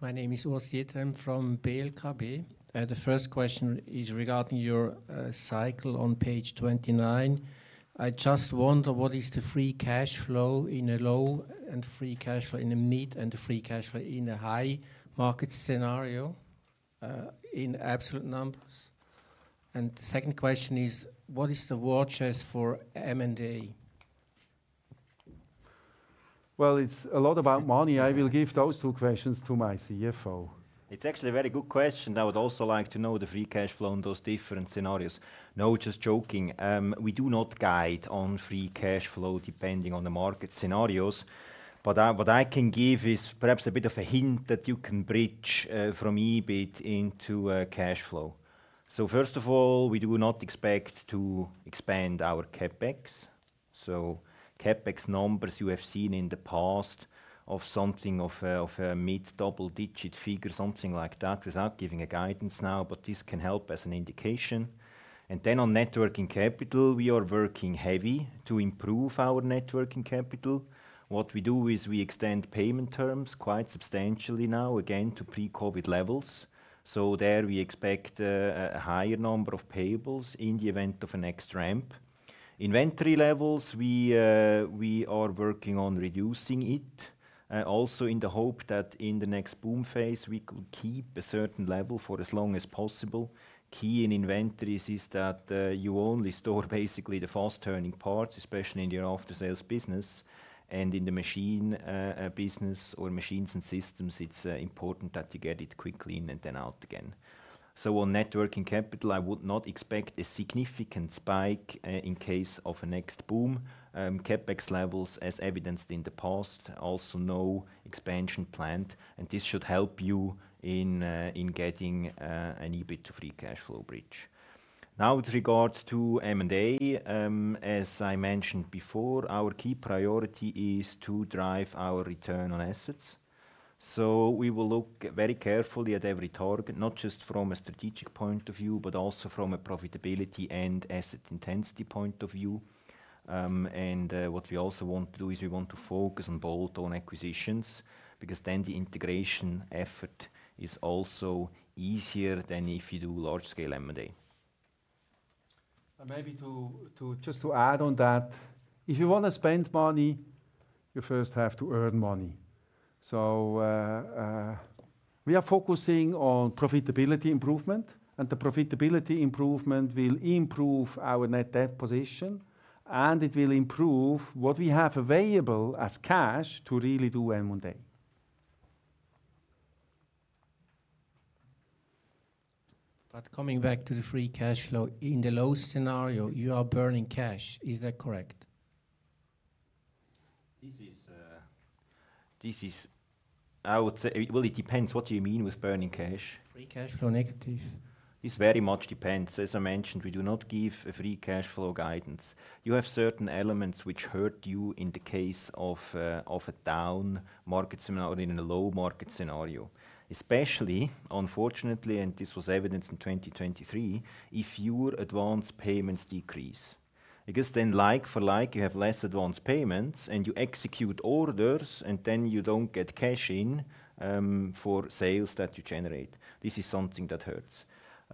[SPEAKER 8] My name is Urs Diethelm from BLKB, and the first question is regarding your cycle on page 29. I just wonder, what is the free cash flow in a low and free cash flow in a mid and the free cash flow in a high market scenario in absolute numbers? And the second question is: What is the war chest for M&A?
[SPEAKER 2] Well, it's a lot about money. I will give those two questions to my CFO.
[SPEAKER 3] It's actually a very good question. I would also like to know the free cash flow in those different scenarios. No, just joking. We do not guide on free cash flow depending on the market scenarios, but what I can give is perhaps a bit of a hint that you can bridge from EBIT into cash flow. So first of all, we do not expect to expand our CapEx. CapEx numbers you have seen in the past of something of a mid double-digit figure, something like that, without giving a guidance now, but this can help as an indication. And then on net working capital, we are working heavy to improve our net working capital. What we do is we extend payment terms quite substantially now, again, to pre-COVID levels. So there we expect a higher number of payables in the event of a next ramp. Inventory levels, we are working on reducing it, also in the hope that in the next boom phase, we could keep a certain level for as long as possible. Key in inventories is that you only store basically the fast-turning parts, especially in your After Sales business and in the machine business or Machines & Systems. It's important that you get it quickly in and then out again. So on net working capital, I would not expect a significant spike in case of a next boom. CapEx levels, as evidenced in the past, also no expansion planned, and this should help you in getting an EBIT to free cash flow bridge. Now, with regards to M&A, as I mentioned before, our key priority is to drive our return on assets. So we will look very carefully at every target, not just from a strategic point-of-view, but also from a profitability and asset intensity point-of-view. What we also want to do is we want to focus on bolt-on acquisitions, because then the integration effort is also easier than if you do large-scale M&A.
[SPEAKER 2] And maybe just to add on that, if you want to spend money, you first have to earn money. So, we are focusing on profitability improvement, and the profitability improvement will improve our net debt position, and it will improve what we have available as cash to really do M&A.
[SPEAKER 8] But coming back to the free cash flow, in the low scenario, you are burning cash. Is that correct?
[SPEAKER 3] This is. I would say. Well, it depends. What do you mean with burning cash?
[SPEAKER 8] Free cash flow negatives.
[SPEAKER 3] This very much depends. As I mentioned, we do not give a free cash flow guidance. You have certain elements which hurt you in the case of, of a down market scenario or in a low market scenario. Especially, unfortunately, and this was evidenced in 2023, if your advance payments decrease, because then like for like, you have less advance payments and you execute orders, and then you don't get cash in, for sales that you generate. This is something that hurts.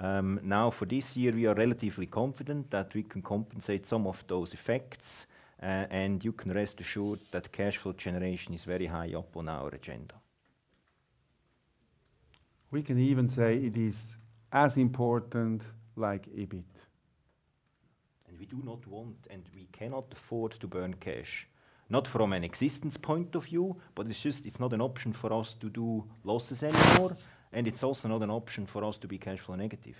[SPEAKER 3] Now, for this year, we are relatively confident that we can compensate some of those effects, and you can rest assured that cash flow generation is very high up on our agenda.
[SPEAKER 2] We can even say it is as important like EBIT.
[SPEAKER 3] We do not want, and we cannot afford to burn cash, not from an existence point-of-view, but it's just, it's not an option for us to do losses anymore, and it's also not an option for us to be cash flow negative,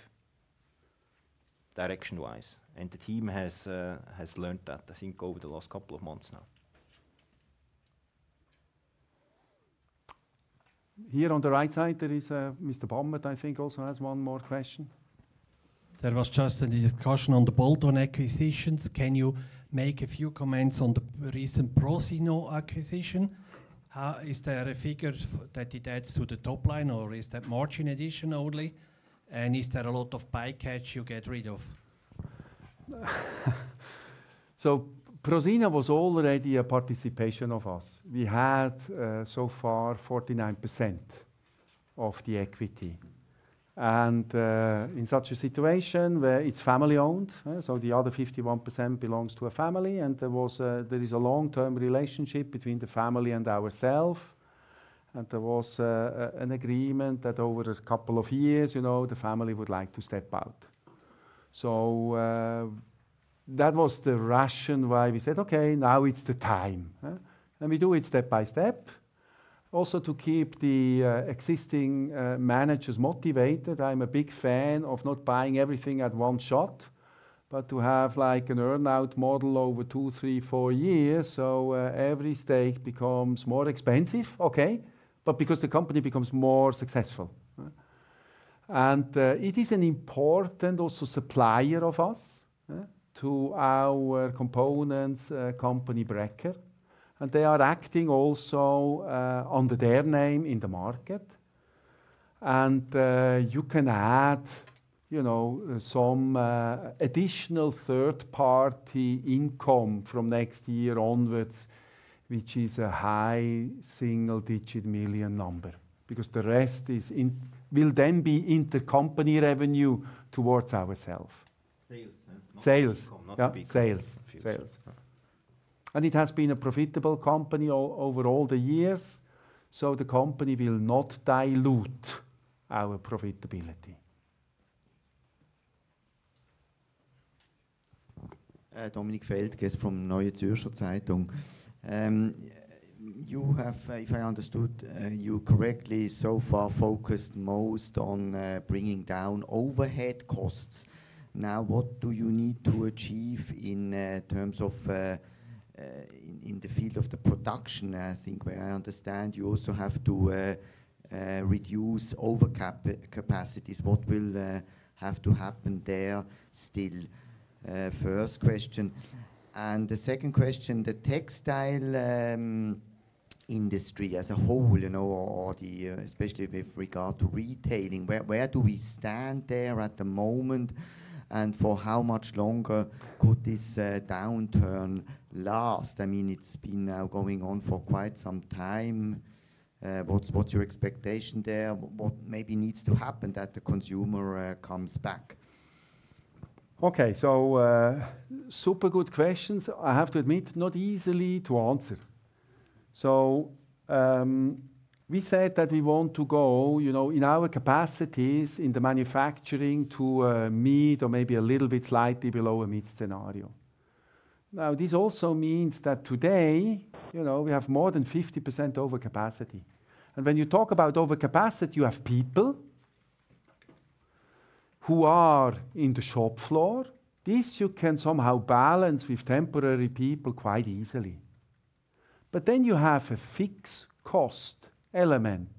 [SPEAKER 3] direction-wise. The team has learnt that, I think, over the last couple of months now.
[SPEAKER 2] Here on the right side, there is Mr. Bamert, I think, also has one more question.
[SPEAKER 4] There was just a discussion on the bolt-on acquisitions. Can you make a few comments on the recent Prosino acquisition? Is there a figure that it adds to the top line, or is that margin addition only? And is there a lot of bycatch you get rid of?
[SPEAKER 2] So Prosino was already a participation of us. We had so far 49% of the equity. And in such a situation, where it's family-owned, so the other 51% belongs to a family, and there was a there is a long-term relationship between the family and ourselves, and there was an agreement that over a couple of years, you know, the family would like to step out. So that was the rationale why we said, "Okay, now is the time." And we do it step by step. Also, to keep the existing managers motivated, I'm a big fan of not buying everything at one shot, but to have, like, an earn-out model over two, three, four years. So every stake becomes more expensive, okay, but because the company becomes more successful. It is an important also supplier of us to our Components company, Bräcker, and they are acting also under their name in the market. You can add, you know, some additional third-party income from next year onwards, which is a high single-digit million number, because the rest will then be intercompany revenue towards ourselves.
[SPEAKER 3] Sales, yeah?
[SPEAKER 2] Sales.
[SPEAKER 3] Not income-
[SPEAKER 2] Yeah, sales
[SPEAKER 3] Sales.
[SPEAKER 2] And it has been a profitable company over all the years, so the company will not dilute our profitability.
[SPEAKER 9] Dominic Feldges from Neue Zürcher Zeitung. You have, if I understood you correctly, so far focused most on bringing down overhead costs. Now, what do you need to achieve in terms of in the field of the production? I think, where I understand you also have to reduce overcapacities. What will have to happen there still? First question. And the second question, the textile industry as a whole, you know, or the especially with regard to retailing, where do we stand there at the moment, and for how much longer could this downturn last? I mean, it's been now going on for quite some time. What's your expectation there? What maybe needs to happen that the consumer comes back?
[SPEAKER 2] Okay. So, super good questions. I have to admit, not easily to answer. We said that we want to go, you know, in our capacities in the manufacturing to meet or maybe a little bit slightly below a meet scenario. Now, this also means that today, you know, we have more than 50% overcapacity. And when you talk about overcapacity, you have people who are in the shop floor. This you can somehow balance with temporary people quite easily. But then you have a fixed cost element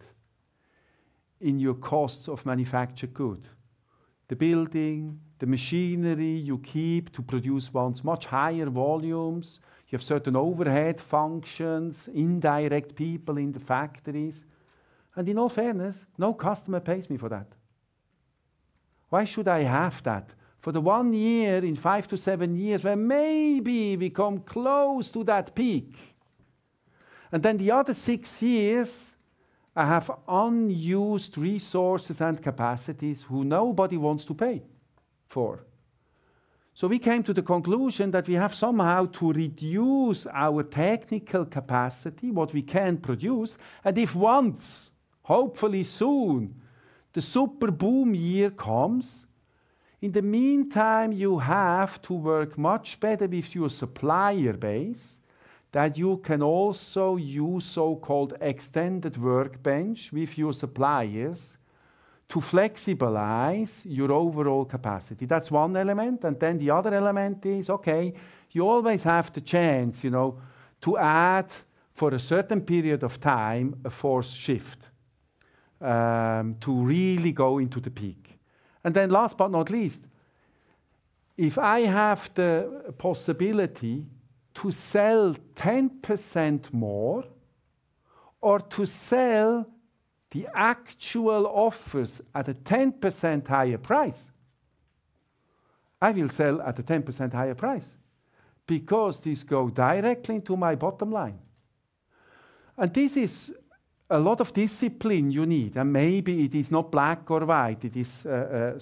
[SPEAKER 2] in your costs of manufactured good. The building, the machinery you keep to produce once much higher volumes. You have certain overhead functions, indirect people in the factories, and in all fairness, no customer pays me for that. Why should I have that? For the one year in 5-7 years, where maybe we come close to that peak, and then the other six years, I have unused resources and capacities who nobody wants to pay for. So we came to the conclusion that we have somehow to reduce our technical capacity, what we can produce, and if once, hopefully soon, the super boom year comes, in the meantime, you have to work much better with your supplier base, that you can also use so-called extended workbench with your suppliers to flexibilize your overall capacity. That's one element, and then the other element is, okay, you always have the chance, you know, to add, for a certain period of time, a fourth shift, to really go into the peak. And then last but not least, if I have the possibility to sell 10% more or to sell the actual offers at a 10% higher price, I will sell at a 10% higher price, because this go directly to my bottom line. And this is a lot of discipline you need, and maybe it is not black or white, it is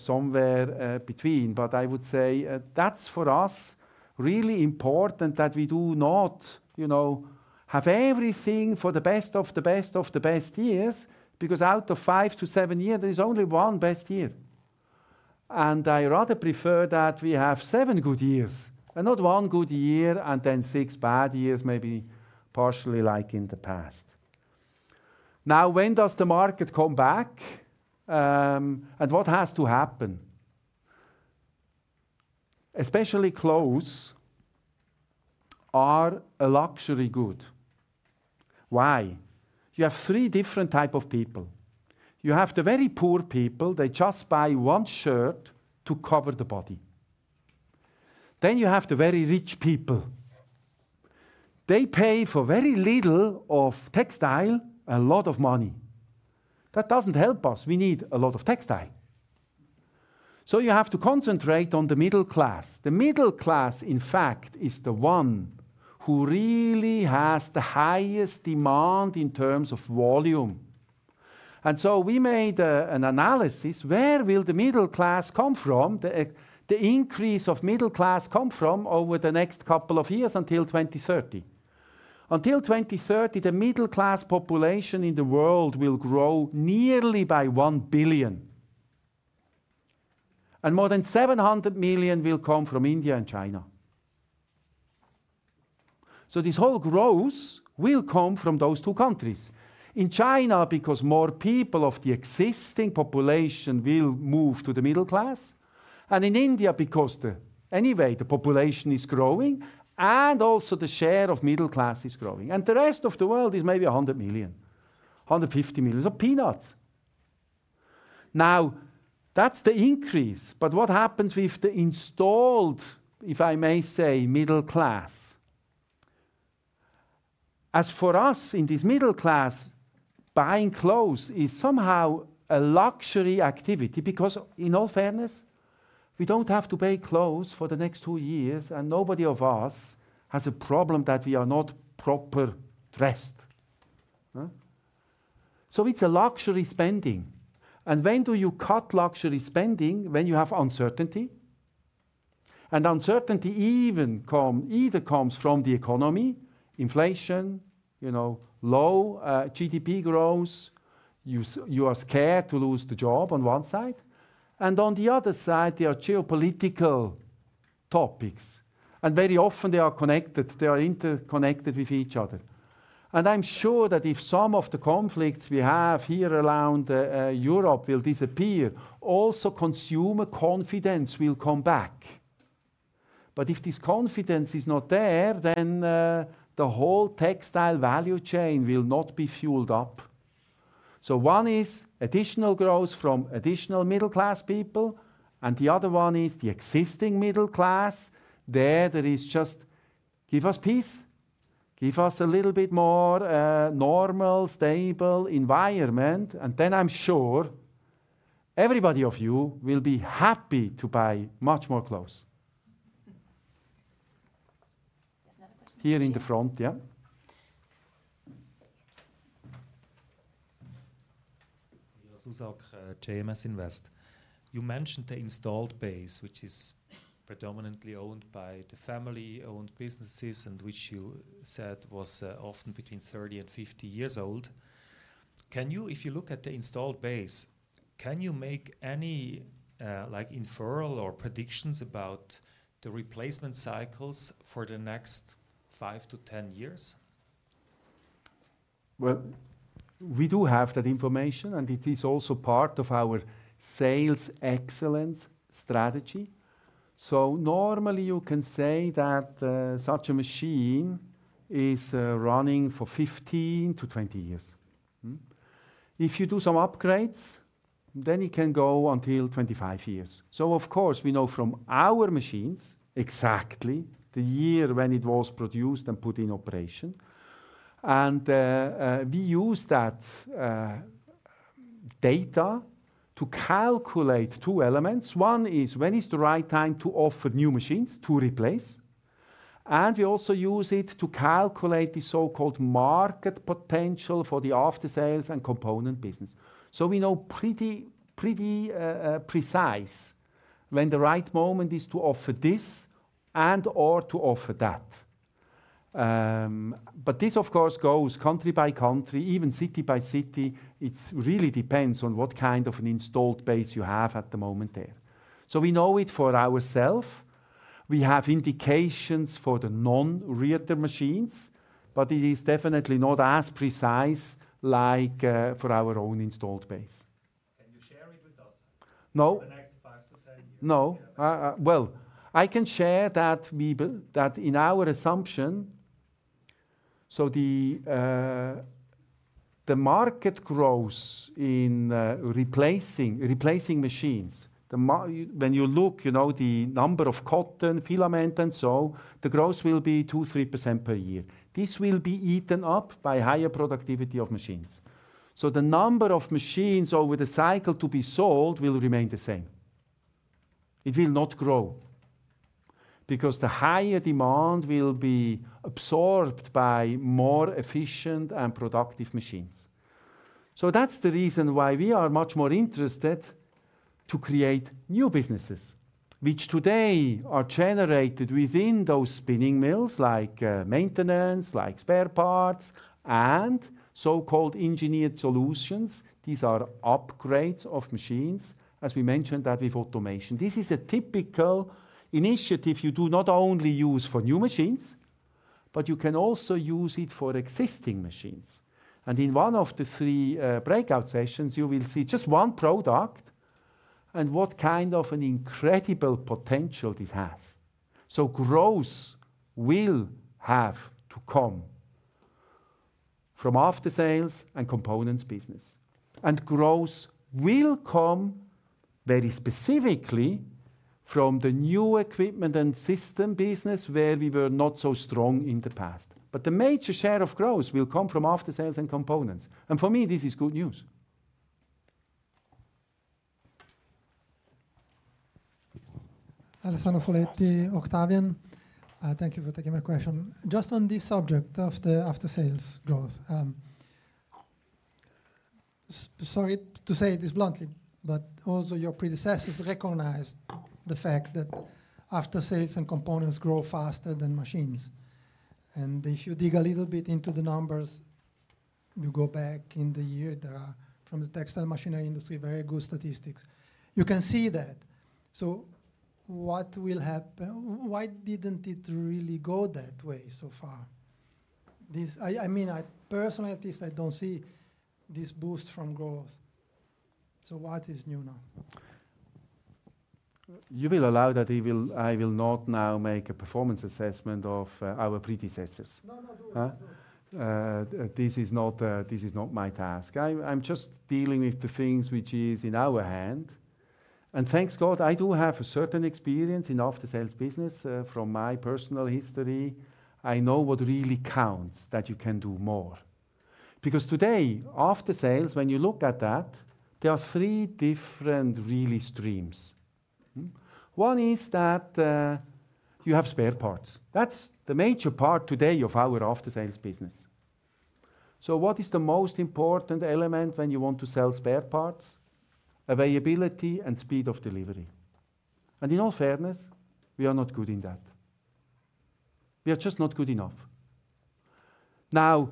[SPEAKER 2] somewhere between. But I would say that's, for us, really important that we do not, you know, have everything for the best of the best of the best years, because out of 5-7 years, there is only one best year. And I rather prefer that we have seven good years and not one good year and then six bad years, maybe partially like in the past. Now, when does the market come back, and what has to happen? Especially clothes are a luxury good. Why? You have three different type of people. You have the very poor people, they just buy one shirt to cover the body. Then you have the very rich people, they pay for very little of textile, a lot of money. That doesn't help us, we need a lot of textile. So you have to concentrate on the middle-class. The middle-class, in fact, is the one who really has the highest demand in terms of volume. So we made an analysis, where will the middle-class come from, the increase of middle-class come from over the next couple of years until 2030? Until 2030, the middle-class population in the world will grow nearly by 1 billion, and more than 700 million will come from India and China. So this whole growth will come from those two countries. In China, because more people of the existing population will move to the middle-class, and in India, because the... anyway, the population is growing, and also the share of middle-class is growing. And the rest of the world is maybe a 100 million, 150 million, so peanuts. Now, that's the increase, but what happens with the installed, if I may say, middle-class? As for us, in this middle-class, buying clothes is somehow a luxury activity because, in all fairness, we don't have to buy clothes for the next two years, and nobody of us has a problem that we are not proper dressed, huh?... So it's a luxury spending. And when do you cut luxury spending? When you have uncertainty. Uncertainty even comes from the economy, inflation, you know, low GDP growth. You are scared to lose the job on one side, and on the other side, there are geopolitical topics, and very often they are connected, they are interconnected with each other. I'm sure that if some of the conflicts we have here around Europe will disappear, also consumer confidence will come back. But if this confidence is not there, then the whole textile value chain will not be fueled up. So one is additional growth from additional middle-class people, and the other one is the existing middle-class. There is just... Give us peace, give us a little bit more normal, stable environment, and then I'm sure everybody of you will be happy to buy much more clothes. Here in the front. Yeah? Susak, JMS Invest. You mentioned the installed base, which is predominantly owned by the family-owned businesses, and which you said was often between 30 and 50 years old. If you look at the installed base, can you make any like inferential or predictions about the replacement cycles for the next 5-10 years? We do have that information, and it is also part of our Sales Excellence strategy. Normally, you can say that such a machine is running for 15-20 years. If you do some upgrades, then it can go until 25 years. Of course, we know from our machines exactly the year when it was produced and put in operation. And we use that data to calculate two elements. One is, when is the right time to offer new machines to replace? And we also use it to calculate the so-called market potential for the After Sales and Component business. We know pretty precise when the right moment is to offer this and/or to offer that. But this, of course, goes country by country, even city by city. It really depends on what kind of an installed base you have at the moment there. So we know it for ourselves. We have indications for the non-Rieter machines, but it is definitely not as precise like for our own installed base. Can you share it with us? No. The next 5-10 years. No. Well, I can share that in our assumption, so the market growth in replacing machines. When you look, you know, the number of cotton filament and so, the growth will be 2%-3% per year. This will be eaten up by higher productivity of machines. So the number of machines over the cycle to be sold will remain the same. It will not grow, because the higher demand will be absorbed by more efficient and productive machines. So that's the reason why we are much more interested to create new businesses, which today are generated within those spinning mills, like maintenance, like spare parts and so-called engineered solutions. These are upgrades of machines, as we mentioned that with automation. This is a typical initiative you do not only use for new machines, but you can also use it for existing machines. And in one of the three, breakout sessions, you will see just one product and what kind of an incredible potential this has. So growth will have to come from After Sales and Components business, and growth will come very specifically from the new equipment and system business, where we were not so strong in the past. But the major share of growth will come from After Sales and Components, and for me, this is good news.
[SPEAKER 10] Alessandro Foletti, Octavian. Thank you for taking my question. Just on this subject of the After Sales growth, sorry to say this bluntly, but also your predecessors recognized the fact that After Sales and Components grow faster than Machines. And if you dig a little bit into the numbers, you go back in the year, there are, from the textile machinery industry, very good statistics. You can see that. So what will happen? Why didn't it really go that way so far? I mean, I personally, at least, I don't see this boost from growth. So what is new now?
[SPEAKER 2] You will allow that I will, I will not now make a performance assessment of our predecessors.
[SPEAKER 10] No, no, do it.
[SPEAKER 2] This is not my task. I'm just dealing with the things which is in our hand, and thanks God, I do have a certain experience in After Sales business from my personal history. I know what really counts, that you can do more. Because today, After Sales, when you look at that, there are three different really streams. One is that you have spare parts. That's the major part today of our After Sales business. So what is the most important element when you want to sell spare parts? Availability and speed of delivery. And in all fairness, we are not good in that. We are just not good enough. Now,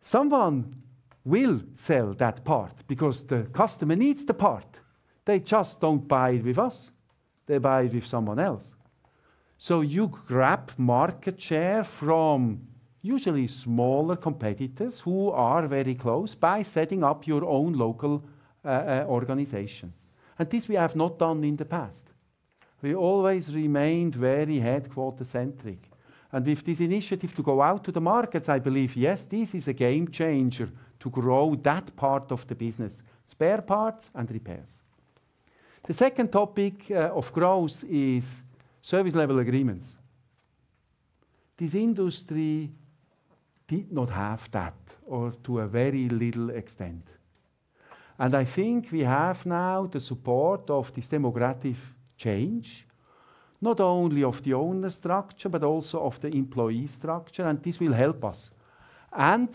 [SPEAKER 2] someone will sell that part because the customer needs the part. They just don't buy it with us, they buy it with someone else. So you grab market share from usually smaller competitors who are very close by setting up your own local organization, and this we have not done in the past. We always remained very headquarter-centric, and with this initiative to go out to the markets, I believe, yes, this is a game changer to grow that part of the business: spare parts and repairs. The second topic of growth is service level agreements. This industry did not have that or to a very little extent, and I think we have now the support of this demographic change, not only of the owner structure, but also of the employee structure, and this will help us, and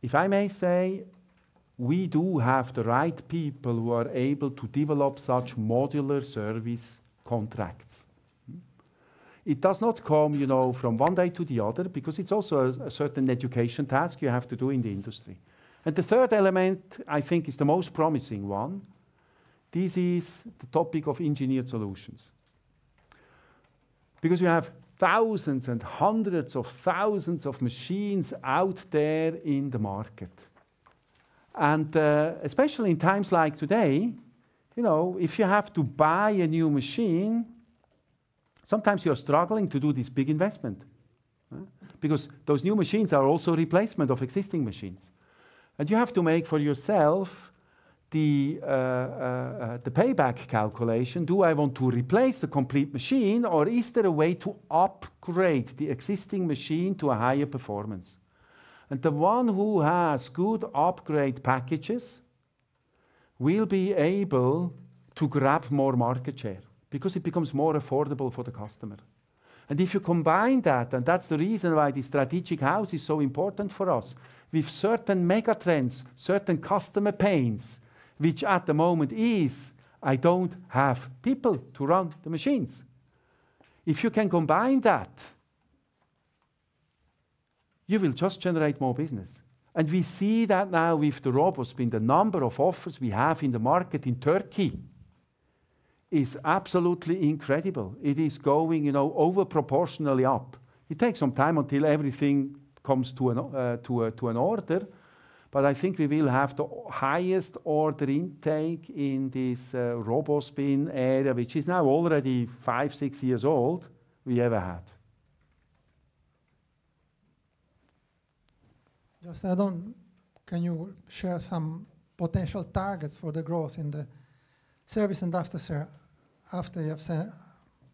[SPEAKER 2] if I may say, we do have the right people who are able to develop such modular service contracts. It does not come, you know, from one day to the other because it's also a certain education task you have to do in the industry. And the third element, I think, is the most promising one. This is the topic of engineered solutions. Because you have thousands and hundreds of thousands of machines out there in the market, and, especially in times like today, you know, if you have to buy a new machine, sometimes you're struggling to do this big investment, huh? Because those new machines are also replacement of existing machines, and you have to make for yourself the payback calculation. Do I want to replace the complete machine, or is there a way to upgrade the existing machine to a higher performance? The one who has good upgrade packages will be able to grab more market share because it becomes more affordable for the customer. If you combine that, and that's the reason why the strategic house is so important for us, with certain mega trends, certain customer pains, which at the moment is, I don't have people to run the machines. If you can combine that, you will just generate more business. We see that now with the ROBOspin, the number of offers we have in the market in Turkey is absolutely incredible. It is going, you know, over proportionally up. It takes some time until everything comes to an order, but I think we will have the highest order intake in this ROBOspin area, which is now already five, six years old, we ever had.
[SPEAKER 10] Can you share some potential targets for the growth in the service and After Sale, after you have said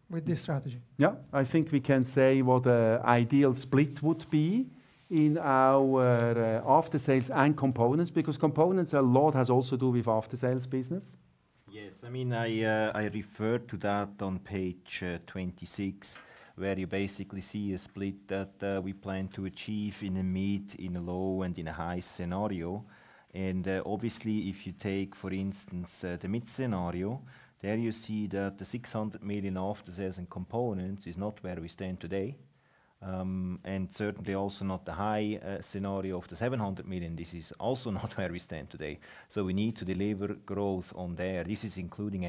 [SPEAKER 10] with this strategy?
[SPEAKER 2] Yeah. I think we can say what the ideal split would be in our After Sales and Components, because Components, a lot has also to do with After Sales business.
[SPEAKER 3] Yes, I mean, I referred to that on page 26, where you basically see a split that we plan to achieve in a mid, in a low, and in a high scenario. And obviously, if you take, for instance, the mid scenario, there you see that the 600 million After Sales and Components is not where we stand today, and certainly also not the high scenario of the 700 million. This is also not where we stand today, so we need to deliver growth on there. This is including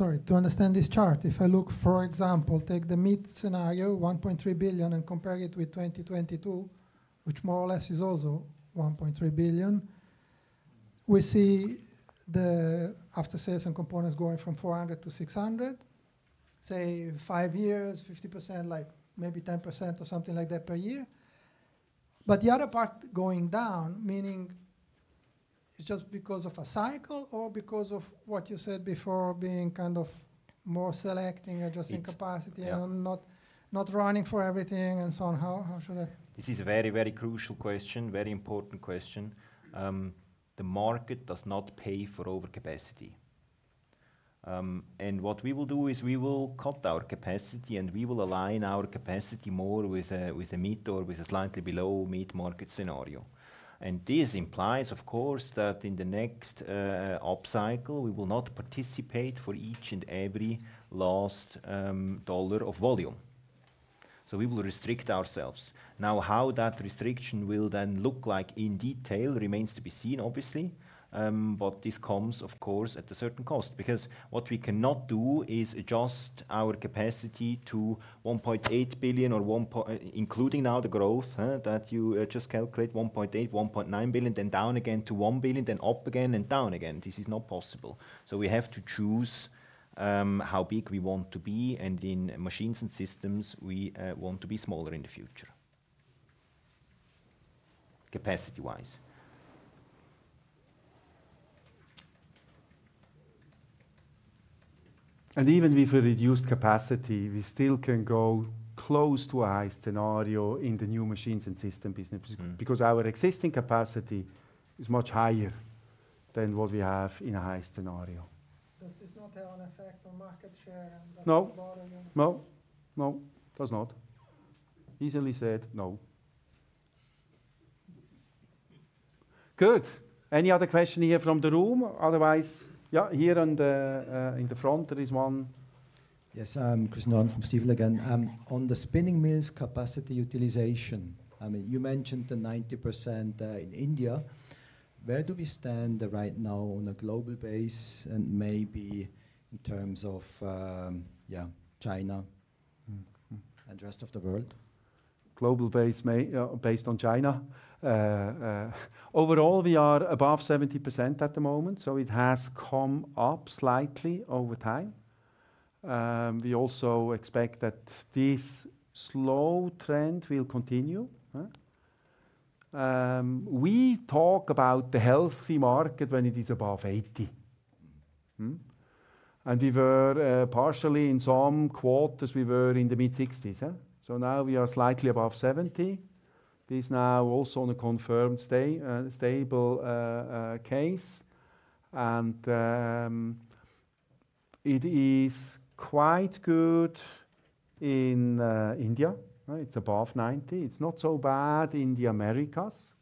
[SPEAKER 3] M&A.
[SPEAKER 10] To understand this chart, if I look, for example, take the mid scenario, 1.3 billion, and compare it with 2022, which more or less is also 1.3 billion, we see the After Sales and Components going from 400 million to 600 million, say, five years, 50%, like maybe 10% or something like that per year. But the other part going down, meaning is just because of a cycle or because of what you said before, being kind of more selecting, adjusting capacity.
[SPEAKER 3] It, yeah.
[SPEAKER 10] And not running for everything and so on. How should I?
[SPEAKER 3] This is a very, very crucial question, very important question. The market does not pay for overcapacity. And what we will do is we will cut our capacity, and we will align our capacity more with a, with a mid or with a slightly below mid-market scenario. And this implies, of course, that in the next, upcycle, we will not participate for each and every last, dollar of volume. So we will restrict ourselves. Now, how that restriction will then look like in detail remains to be seen, obviously, but this comes, of course, at a certain cost, because what we cannot do is adjust our capacity to 1.8 billion or 1-- including now the growth, that you, just calculate, 1.8 billion, 1.9 billion, then down again to 1 billion, then up again and down again. This is not possible, so we have to choose how big we want to be, and in Machines & Systems, we want to be smaller in the future, capacity-wise.
[SPEAKER 2] And even with a reduced capacity, we still can go close to a high scenario in the new Machines & Systems business. Because our existing capacity is much higher than what we have in a high scenario.
[SPEAKER 10] Does this not have an effect on market share?
[SPEAKER 2] No. No, no, does not. Easily said, no. Good! Any other question here from the room? Otherwise... Yeah, here on the, in the front, there is one.
[SPEAKER 5] Yes, Christian Arnold from Stifel again. On the spinning mills capacity utilization, I mean, you mentioned the 90% in India. Where do we stand right now on a global base and maybe in terms of, yeah, China, and the rest of the world?
[SPEAKER 2] Global base, mainly based on China, overall, we are above 70% at the moment, so it has come up slightly over time. We also expect that this slow trend will continue. We talk about the healthy market when it is above 80%. And we were partially in some quarters, we were in the mid-60s, huh? So now we are slightly above 70. This now also on a confirmed stay stable case. And it is quite good in India, right? It's above 90%. It's not so bad in the Americas,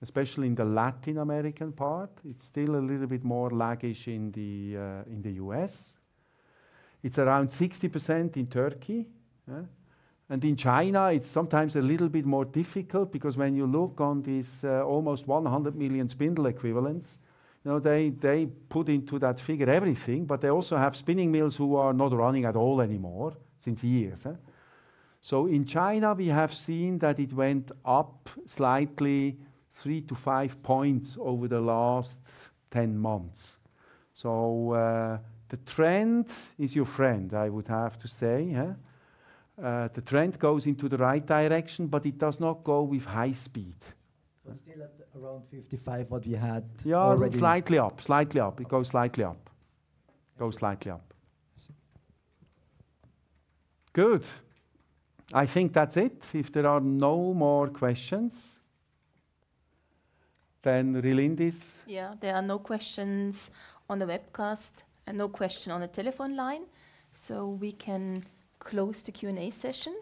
[SPEAKER 2] especially in the Latin American part. It's still a little bit more sluggish in the in the U.S. It's around 60% in Turkey. Huh? And in China, it's sometimes a little bit more difficult because when you look on this almost 100 million spindle equivalents, you know, they, they put into that figure everything, but they also have spinning mills who are not running at all anymore, since years, huh? So in China, we have seen that it went up slightly 3-5 points over the last 10 months. The trend is your friend, I would have to say, huh? The trend goes into the right direction, but it does not go with high speed.
[SPEAKER 5] So still at around 55%, what we had already-
[SPEAKER 2] Yeah, slightly up. Slightly up.
[SPEAKER 5] Okay.
[SPEAKER 2] It goes slightly up. Goes slightly up.
[SPEAKER 5] I see.
[SPEAKER 2] Good. I think that's it. If there are no more questions, then Relindis?
[SPEAKER 1] Yeah, there are no questions on the webcast and no question on the telephone line, so we can close the Q&A session.